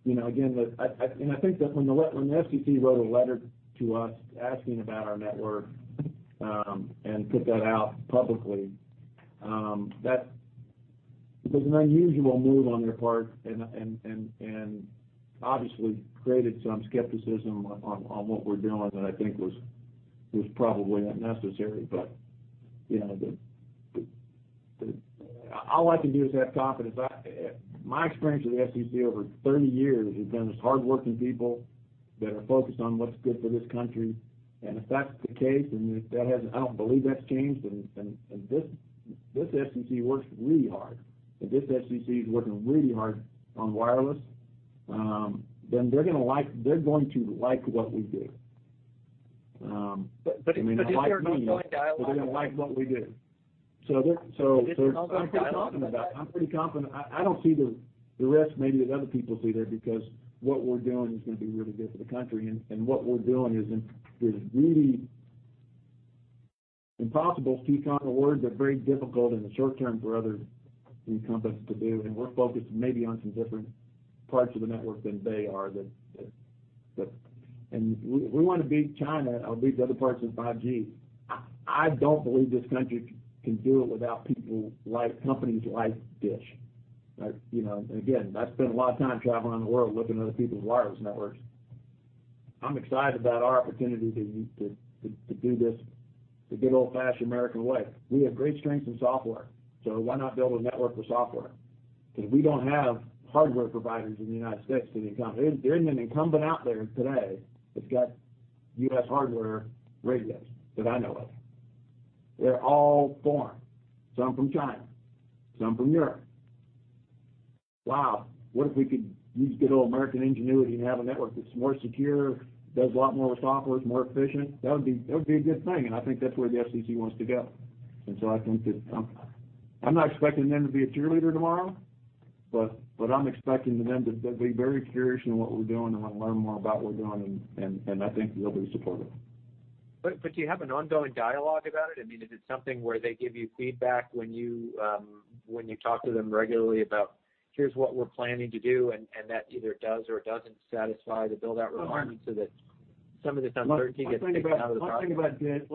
S7: You know, again, the I and I think that when the FCC wrote a letter to us asking about our network and put that out publicly, that was an unusual move on their part and obviously created some skepticism on what we're doing that I think was probably not necessary. You know, the All I can do is have confidence. My experience with the FCC over 30 years has been with hardworking people that are focused on what's good for this country. If that's the case, I don't believe that's changed, this FCC works really hard, and this FCC is working really hard on wireless, then they're going to like what we do. I mean, they might not like me.
S15: Is there an ongoing dialogue?
S7: They're gonna like what we do.
S15: Is there an ongoing dialogue about it?
S7: I'm pretty confident about it. I'm pretty confident. I don't see the risk maybe that other people see there because what we're doing is going to be really good for the country. What we're doing is really impossible to use kind of words, but very difficult in the short term for other incumbents to do. We're focused maybe on some different parts of the network than they are. We want to beat China or beat the other parts with 5G. I don't believe this country can do it without companies like DISH. You know, again, I've spent a lot of time traveling the world looking at other people's wireless networks. I'm excited about our opportunity to do this the good old-fashioned American way. We have great strengths in software, so why not build a network with software? Because we don't have hardware providers in the United States to the incumbent. There isn't an incumbent out there today that's got U.S. hardware radios that I know of. They're all foreign. Some from China, some from Europe. Wow, what if we could use good old American ingenuity and have a network that's more secure, does a lot more with software, is more efficient? That would be a good thing, and I think that's where the FCC wants to go. I think that I'm not expecting them to be a cheerleader tomorrow, but I'm expecting them to be very curious in what we're doing and wanna learn more about what we're doing, and I think they'll be supportive.
S15: Do you have an ongoing dialogue about it? I mean, is it something where they give you feedback when you talk to them regularly about, "Here's what we're planning to do," and that either does or doesn't satisfy the build-out requirements. That some of this uncertainty gets taken out of the process?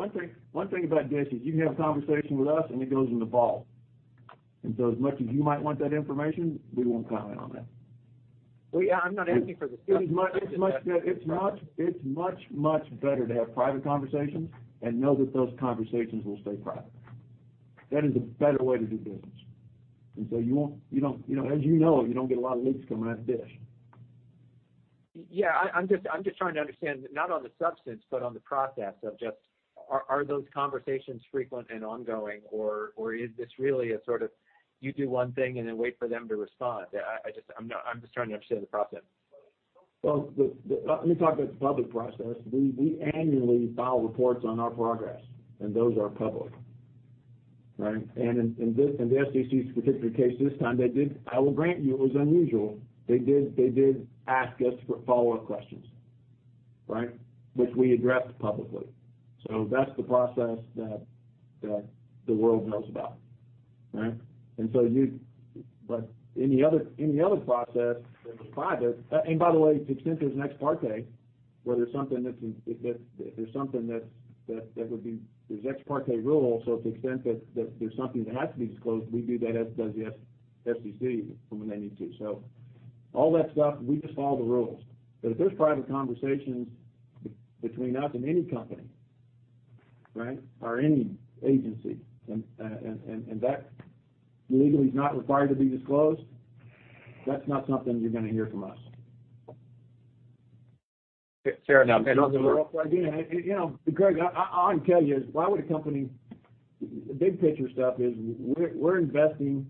S7: One thing about DISH is you can have a conversation with us, and it goes in the vault. As much as you might want that information, we won't comment on that.
S15: Well, yeah, I'm not asking for the specifics, I'm just asking.
S7: It's much, much better to have private conversations and know that those conversations will stay private. That is a better way to do business. You won't, you don't, you know, as you know, you don't get a lot of leaks coming out of DISH.
S15: Yeah. I'm just trying to understand, not on the substance, but on the process of are those conversations frequent and ongoing or is this really a sort of you do one thing and then wait for them to respond? I'm just trying to understand the process.
S7: Let me talk about the public process. We annually file reports on our progress, those are public, right? In this, in the FCC's particular case this time, they did, I will grant you, it was unusual. They did ask us for follow-up questions, right? Which we addressed publicly. That's the process that the world knows about, right? Any other process that was private. By the way, to the extent there's an ex parte, where there's something that if there's something that There's ex parte rule, to the extent that there's something that has to be disclosed, we do that as does the FCC when they need to. All that stuff, we just follow the rules. If there's private conversations between us and any company, right? Or any agency, and that legally is not required to be disclosed, that's not something you're gonna hear from us. The rural idea, and, you know, Craig, all I can tell you is why would a company. The big picture stuff is we've invested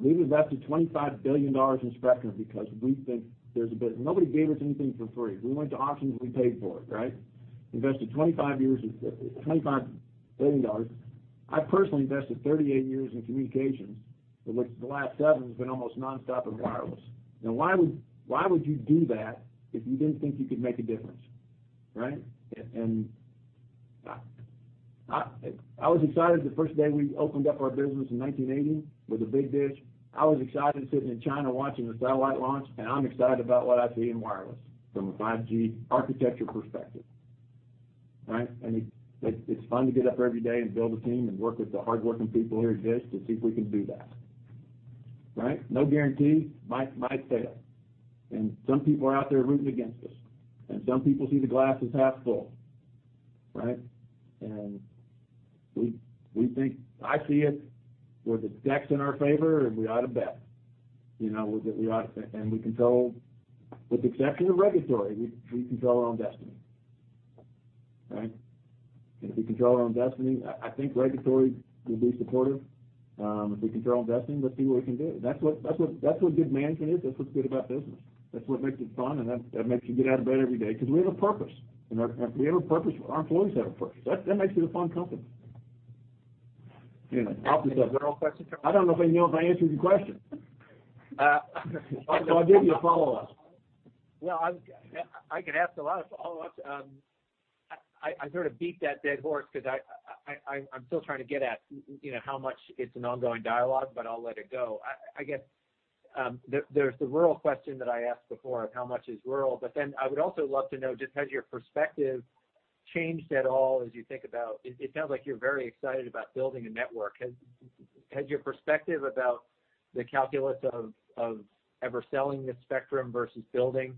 S7: $25 billion in spectrum because we think there's a bus-- Nobody gave us anything for free. We went to auctions, and we paid for it, right? Invested 25 years and $25 billion. I personally invested 38 years in communications, of which the last seven has been almost nonstop in wireless. Now, why would you do that if you didn't think you could make a difference, right? I was excited the first day we opened up our business in 1980 with a big DISH. I was excited sitting in China watching a satellite launch, and I'm excited about what I see in wireless from a 5G architecture perspective, right? It's fun to get up every day and build a team and work with the hardworking people here at DISH to see if we can do that, right? No guarantee. Might fail. Some people are out there rooting against us, and some people see the glass as half full, right? I see it where the deck's in our favor, and we ought to bet. You know, we ought to. We control, with the exception of regulatory, we control our own destiny, right? If we control our own destiny, I think regulatory will be supportive. If we control our own destiny, let's see what we can do. That's what good management is. That's what's good about business. That's what makes it fun, and that makes you get out of bed every day because we have a purpose. We have a purpose. Our employees have a purpose. That makes it a fun company. Anyway, I'll be done.
S15: Is there a rural question?
S7: I don't know if, you know, if I answered your question. I'll give you a follow-up.
S15: I could ask a lot of follow-ups. I sort of beat that dead horse because I'm still trying to get at, you know, how much it's an ongoing dialogue, but I'll let it go. I guess there's the rural question that I asked before of how much is rural. I would also love to know just has your perspective changed at all as you think about It sounds like you're very excited about building a network. Has your perspective about the calculus of ever selling this spectrum versus building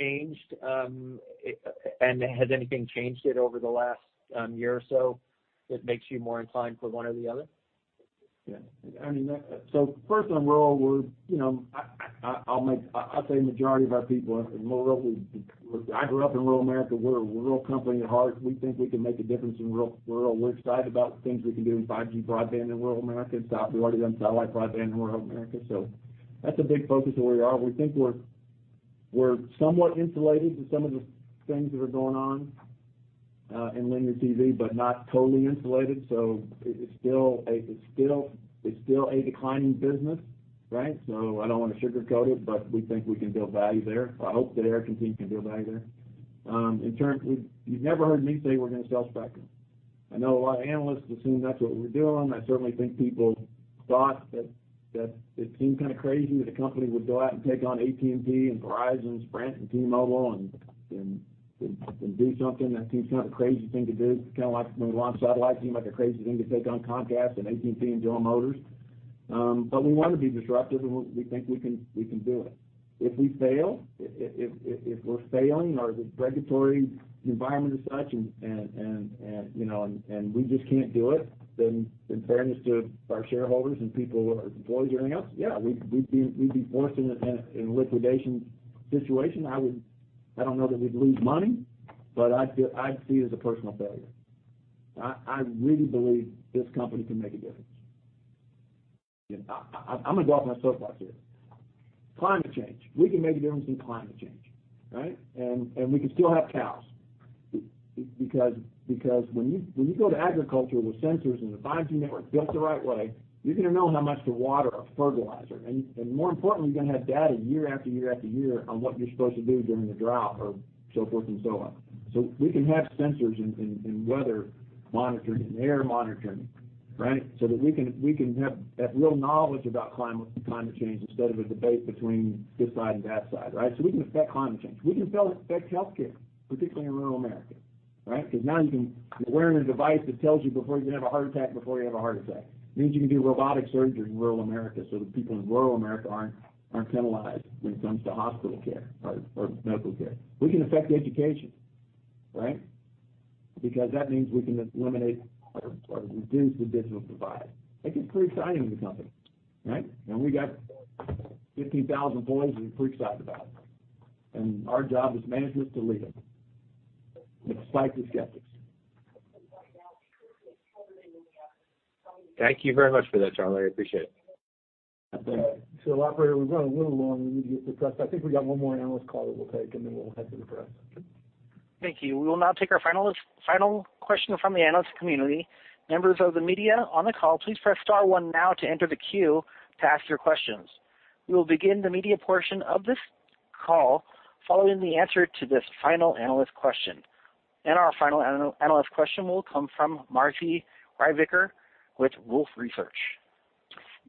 S15: changed? And has anything changed it over the last year or so that makes you more inclined for one or the other?
S7: I mean, first on rural, we're, you know, I'd say majority of our people are rural. I grew up in rural America. We're a rural company at heart. We think we can make a difference in rural. We're excited about the things we can do in 5G broadband in rural America. We've already done satellite broadband in rural America. That's a big focus of where we are. We think we're somewhat insulated to some of the things that are going on in linear TV, not totally insulated. It's still a declining business, right? I don't wanna sugarcoat it, we think we can build value there. I hope that Erik and team can build value there. You've never heard me say we're gonna sell spectrum. I know a lot of analysts assume that's what we're doing. I certainly think people thought that it seemed kinda crazy that a company would go out and take on AT&T and Verizon, Sprint, and T-Mobile and do something that seems kinda crazy thing to do. Kinda like when we launched satellite, it seemed like a crazy thing to take on Comcast and AT&T and General Motors. We wanna be disruptive, and we think we can do it. If we fail, if we're failing or the regulatory environment is such and, you know, and we just can't do it, then in fairness to our shareholders and people, our employees and everything else, yeah, we'd be forced in a liquidation situation. I don't know that we'd lose money, but I'd see it as a personal failure. I really believe this company can make a difference. I'm gonna go off on a soapbox here. Climate change. We can make a difference in climate change, right? We can still have cows. Because when you go to agriculture with sensors and a 5G network built the right way, you're gonna know how much to water or fertilizer. More importantly, you're gonna have data year after year after year on what you're supposed to do during a drought or so forth and so on. We can have sensors in weather monitoring and air monitoring, right? That we can have that real knowledge about climate change instead of a debate between this side and that side, right? We can affect climate change. We can affect healthcare, particularly in rural America, right? Now you're wearing a device that tells you before you have a heart attack, before you have a heart attack. It means you can do robotic surgery in rural America so that people in rural America aren't penalized when it comes to hospital care or medical care. We can affect education. Right? That means we can eliminate or reduce the digital divide. It gets pretty exciting in the company, right? We got 50,000 employees that are pretty excited about it. Our job as management is to lead them, despite the skeptics.
S15: Thank you very much for that, Charlie. I appreciate it.
S7: Operator, we've gone a little long. We need to get the press. I think we got one more analyst call that we'll take, and then we'll head to the press.
S1: Thank you. We will now take our final question from the analyst community. Members of the media on the call, please press star one now to enter the queue to ask your questions. We will begin the media portion of this call following the answer to this final analyst question. Our final analyst question will come from Marci Ryvicker with Wolfe Research.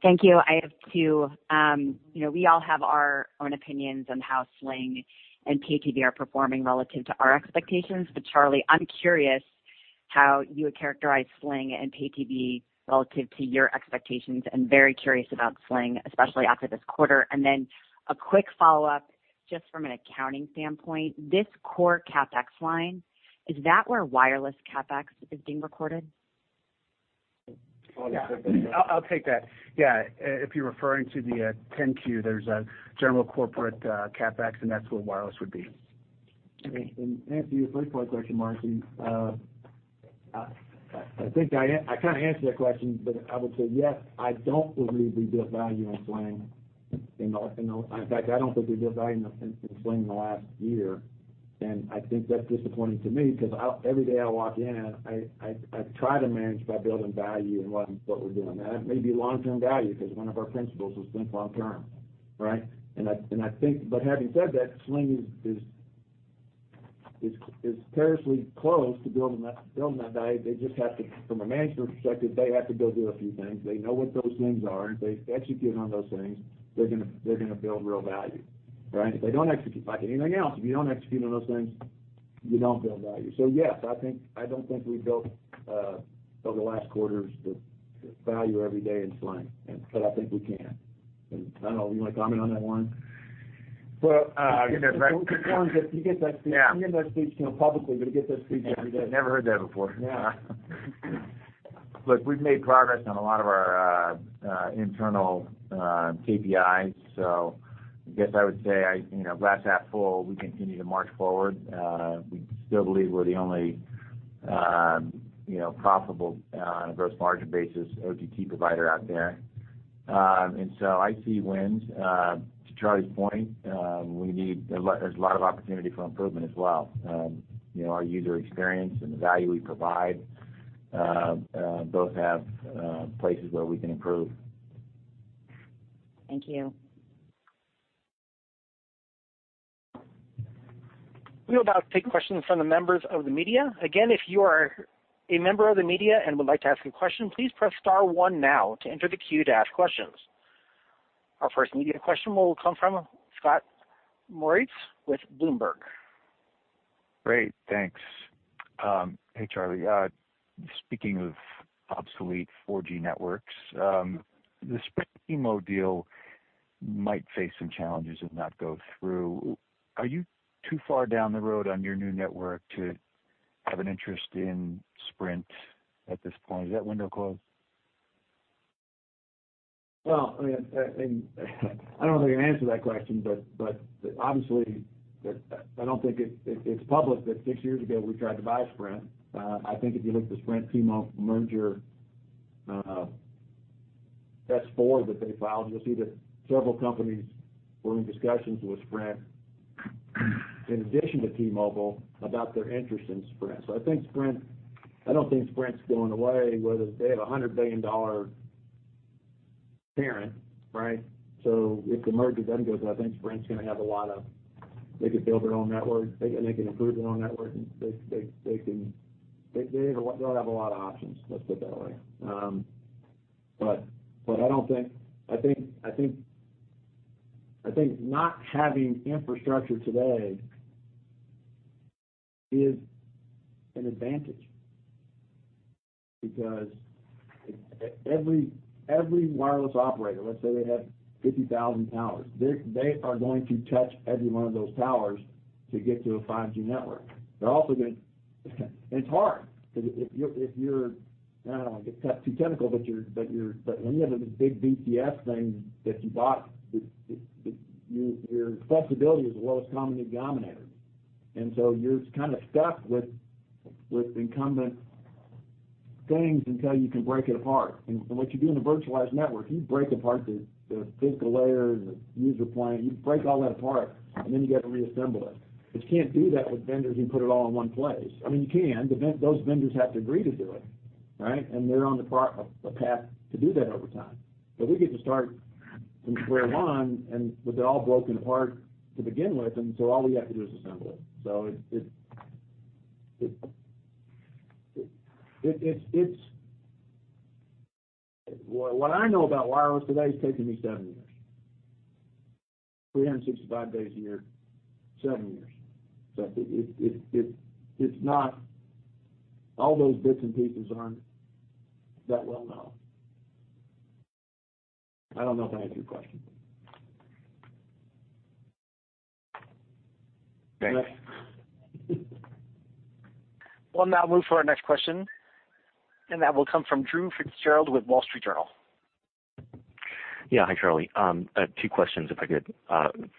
S16: Thank you. I have two. You know, we all have our own opinions on how Sling and Pay-TV are performing relative to our expectations. Charlie, I'm curious how you would characterize Sling and Pay-TV relative to your expectations, and very curious about Sling, especially after this quarter. A quick follow-up, just from an accounting standpoint, this core CapEx line, is that where wireless CapEx is being recorded?
S7: Well, yeah.
S5: I'll take that. Yeah, if you're referring to the 10-Q, there's a general corporate CapEx, and that's where wireless would be.
S7: To answer your first part question, Marci, I think I kinda answered that question, but I would say, yes, I don't believe we built value in Sling. In fact, I don't think we built value in Sling in the last year. I think that's disappointing to me because every day I walk in, I try to manage by building value in what we're doing. It may be long-term value because one of our principles is think long term, right? I think. Having said that, Sling is perilously close to building that value. They just have to, from a management perspective, they have to go do a few things. They know what those things are. If they execute on those things, they're gonna build real value, right? If they don't execute, like anything else, if you don't execute on those things, you don't build value. Yes, I don't think we've built over the last quarters, the value every day in Sling. I think we can. I don't know, you wanna comment on that one?
S11: Well.
S7: You get that speech.
S11: Yeah.
S7: You get that speech, you know, publicly, but you get that speech every day.
S11: Never heard that before.
S7: Yeah.
S11: Look, we've made progress on a lot of our internal KPIs. I guess I would say, you know, glass half full, we continue to march forward. We still believe we're the only, you know, profitable, on a gross margin basis, OTT provider out there. I see wins. To Charlie's point, there's a lot of opportunity for improvement as well. You know, our user experience and the value we provide, both have places where we can improve.
S16: Thank you.
S1: We will now take questions from the members of the media. Again, if you are a member of the media and would like to ask a question, please press star one now to enter the queue to ask questions. Our first media question will come from Scott Moritz with Bloomberg.
S17: Great, thanks. Hey, Charlie. Speaking of obsolete 4G networks, the Sprint T-Mobile deal might face some challenges and not go through. Are you too far down the road on your new network to have an interest in Sprint at this point? Is that window closed?
S7: I mean, I don't know how you answer that question, but obviously, I don't think it's public that six years ago, we tried to buy Sprint. I think if you look at the Sprint T-Mobile merger S-4 that they filed, you'll see that several companies were in discussions with Sprint, in addition to T-Mobile, about their interest in Sprint. I think Sprint, I don't think Sprint's going away, whether they have a $100 billion parent, right? If the merger doesn't go through, They could build their own network. They can improve their own network, and they'll have a lot of options, let's put it that way. I don't think I think not having infrastructure today is an advantage because every wireless operator, let's say they have 50,000 towers. They are going to touch every one of those towers to get to a 5G network. It's hard because if you're, I don't wanna get too technical, but when you have a big BTS thing that you bought, it, your flexibility is the lowest common denominator. You're just kinda stuck with incumbent things until you can break it apart. What you do in a virtualized network, you break apart the physical layers, the user plane, you break all that apart, and then you got to reassemble it. You can't do that with vendors and put it all in one place. I mean, you can, but those vendors have to agree to do it, right? They're on a path to do that over time. We get to start from square one, and with it all broken apart to begin with, all we have to do is assemble it. It's what I know about wireless today has taken me seven years. 365 days a year, seven years. It's not all those bits and pieces aren't that well-known. I don't know if that answered your question.
S17: Thanks.
S1: We'll now move to our next question, and that will come from Drew FitzGerald with Wall Street Journal.
S18: Yeah. Hi, Charlie. I have two questions, if I could.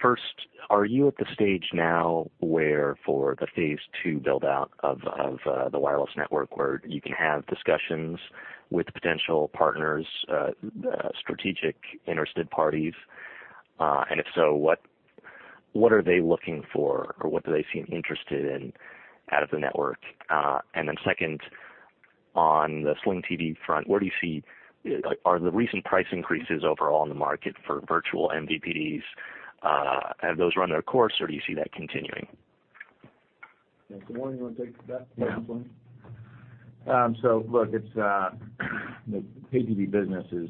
S18: First, are you at the stage now where for the phase II build-out of the wireless network where you can have discussions with potential partners, strategic interested parties? If so, what are they looking for or what do they seem interested in out of the network? Second, on the Sling TV front, are the recent price increases overall in the market for virtual MVPDs, have those run their course or do you see that continuing?
S7: Yeah. why don't you wanna take that one, Warren?
S11: Yeah. The Pay-TV businesses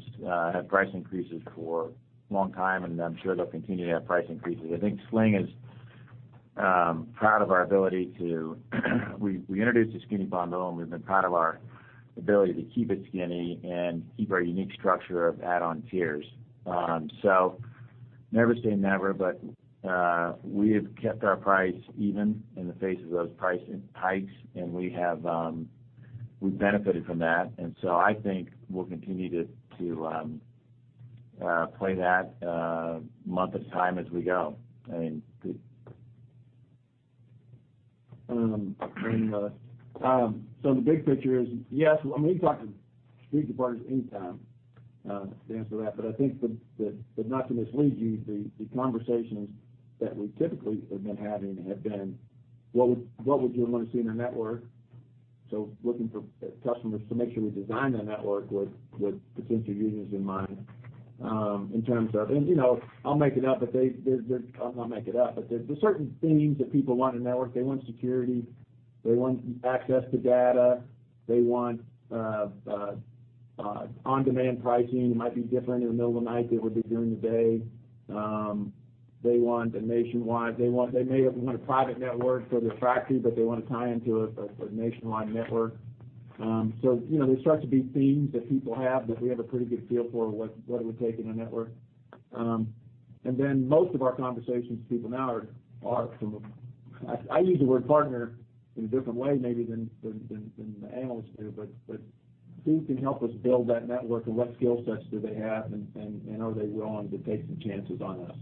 S11: have price increases for a long time, I'm sure they'll continue to have price increases. I think Sling is proud of our ability to. We introduced the skinny bundle and we've been proud of our ability to keep it skinny and keep our unique structure of add-on tiers. Never say never, but we have kept our price even in the face of those price hikes, we've benefited from that. I think we'll continue to play that month and time as we go.
S7: The big picture is, yes, I mean, we can talk to strategic partners anytime to answer that. I think that, but not to mislead you, the conversations that we typically have been having have been what would you want to see in a network? Looking for customers to make sure we design the network with potential users in mind. You know, I'll not make it up, but there's certain themes that people want in a network. They want security, they want access to data, they want on-demand pricing. It might be different in the middle of the night than it would be during the day. They want a nationwide. They may want a private network for their factory, but they want to tie into a nationwide network. You know, there starts to be themes that people have that we have a pretty good feel for what it would take in a network. Most of our conversations with people now are from I use the word partner in a different way maybe than the analysts do. Who can help us build that network and what skill sets do they have and are they willing to take some chances on us,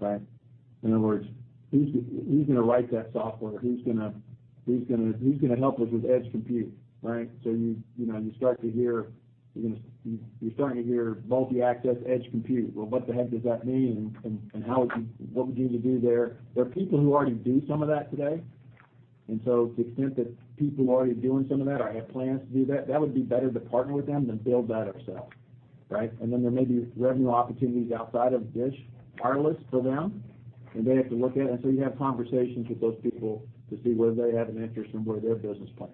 S7: right? In other words, who's gonna write that software? Who's gonna help us with multi-access edge compute, right? You know, you start to hear, you're starting to hear multi-access edge compute. What the heck does that mean and how would you what would you even do there? There are people who already do some of that today. To the extent that people are already doing some of that or have plans to do that would be better to partner with them than build that ourselves, right? Then there may be revenue opportunities outside of DISH Wireless for them, and they have to look at it. So you have conversations with those people to see where they have an interest and where their business plan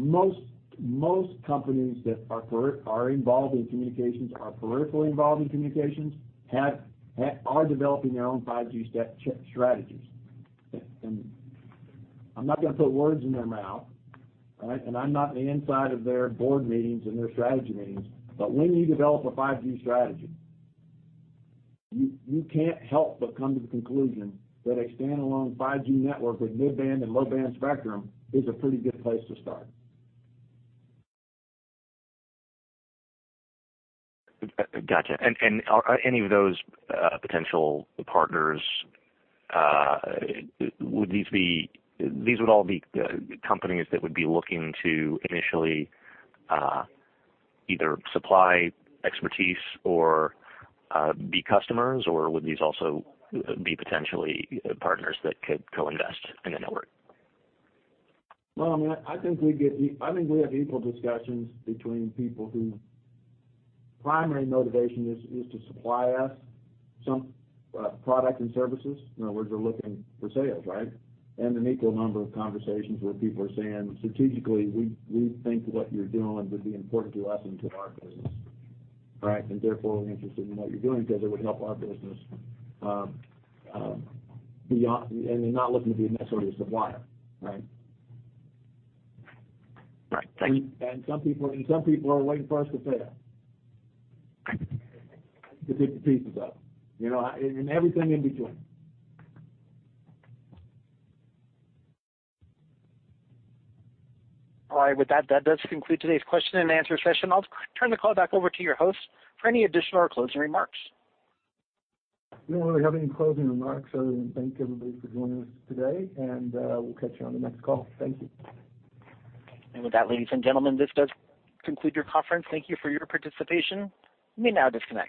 S7: is. Most companies that are involved in communications, are peripherally involved in communications, are developing their own 5G strategies. I'm not gonna put words in their mouth, right? I'm not in the inside of their board meetings and their strategy meetings. When you develop a 5G strategy, you can't help but come to the conclusion that a standalone 5G network with mid-band and low-band spectrum is a pretty good place to start.
S18: Gotcha. Are any of those potential partners, these would all be companies that would be looking to initially either supply expertise or be customers? Or would these also be potentially partners that could co-invest in a network?
S7: Well, I think we have equal discussions between people whose primary motivation is to supply us some product and services. In other words, they're looking for sales, right? An equal number of conversations where people are saying, strategically, we think what you're doing would be important to us and to our business, right? Therefore, we're interested in what you're doing because it would help our business, and they're not looking to be necessarily a supplier, right?
S18: Right. Thank you.
S7: Some people are waiting for us to fail to pick the pieces up. You know, and everything in between.
S1: All right. With that does conclude today's question and answer session. I'll turn the call back over to your host for any additional or closing remarks.
S7: We don't really have any closing remarks other than thank everybody for joining us today, and, we'll catch you on the next call. Thank you.
S1: With that, ladies and gentlemen, this does conclude your conference. Thank you for your participation. You may now disconnect.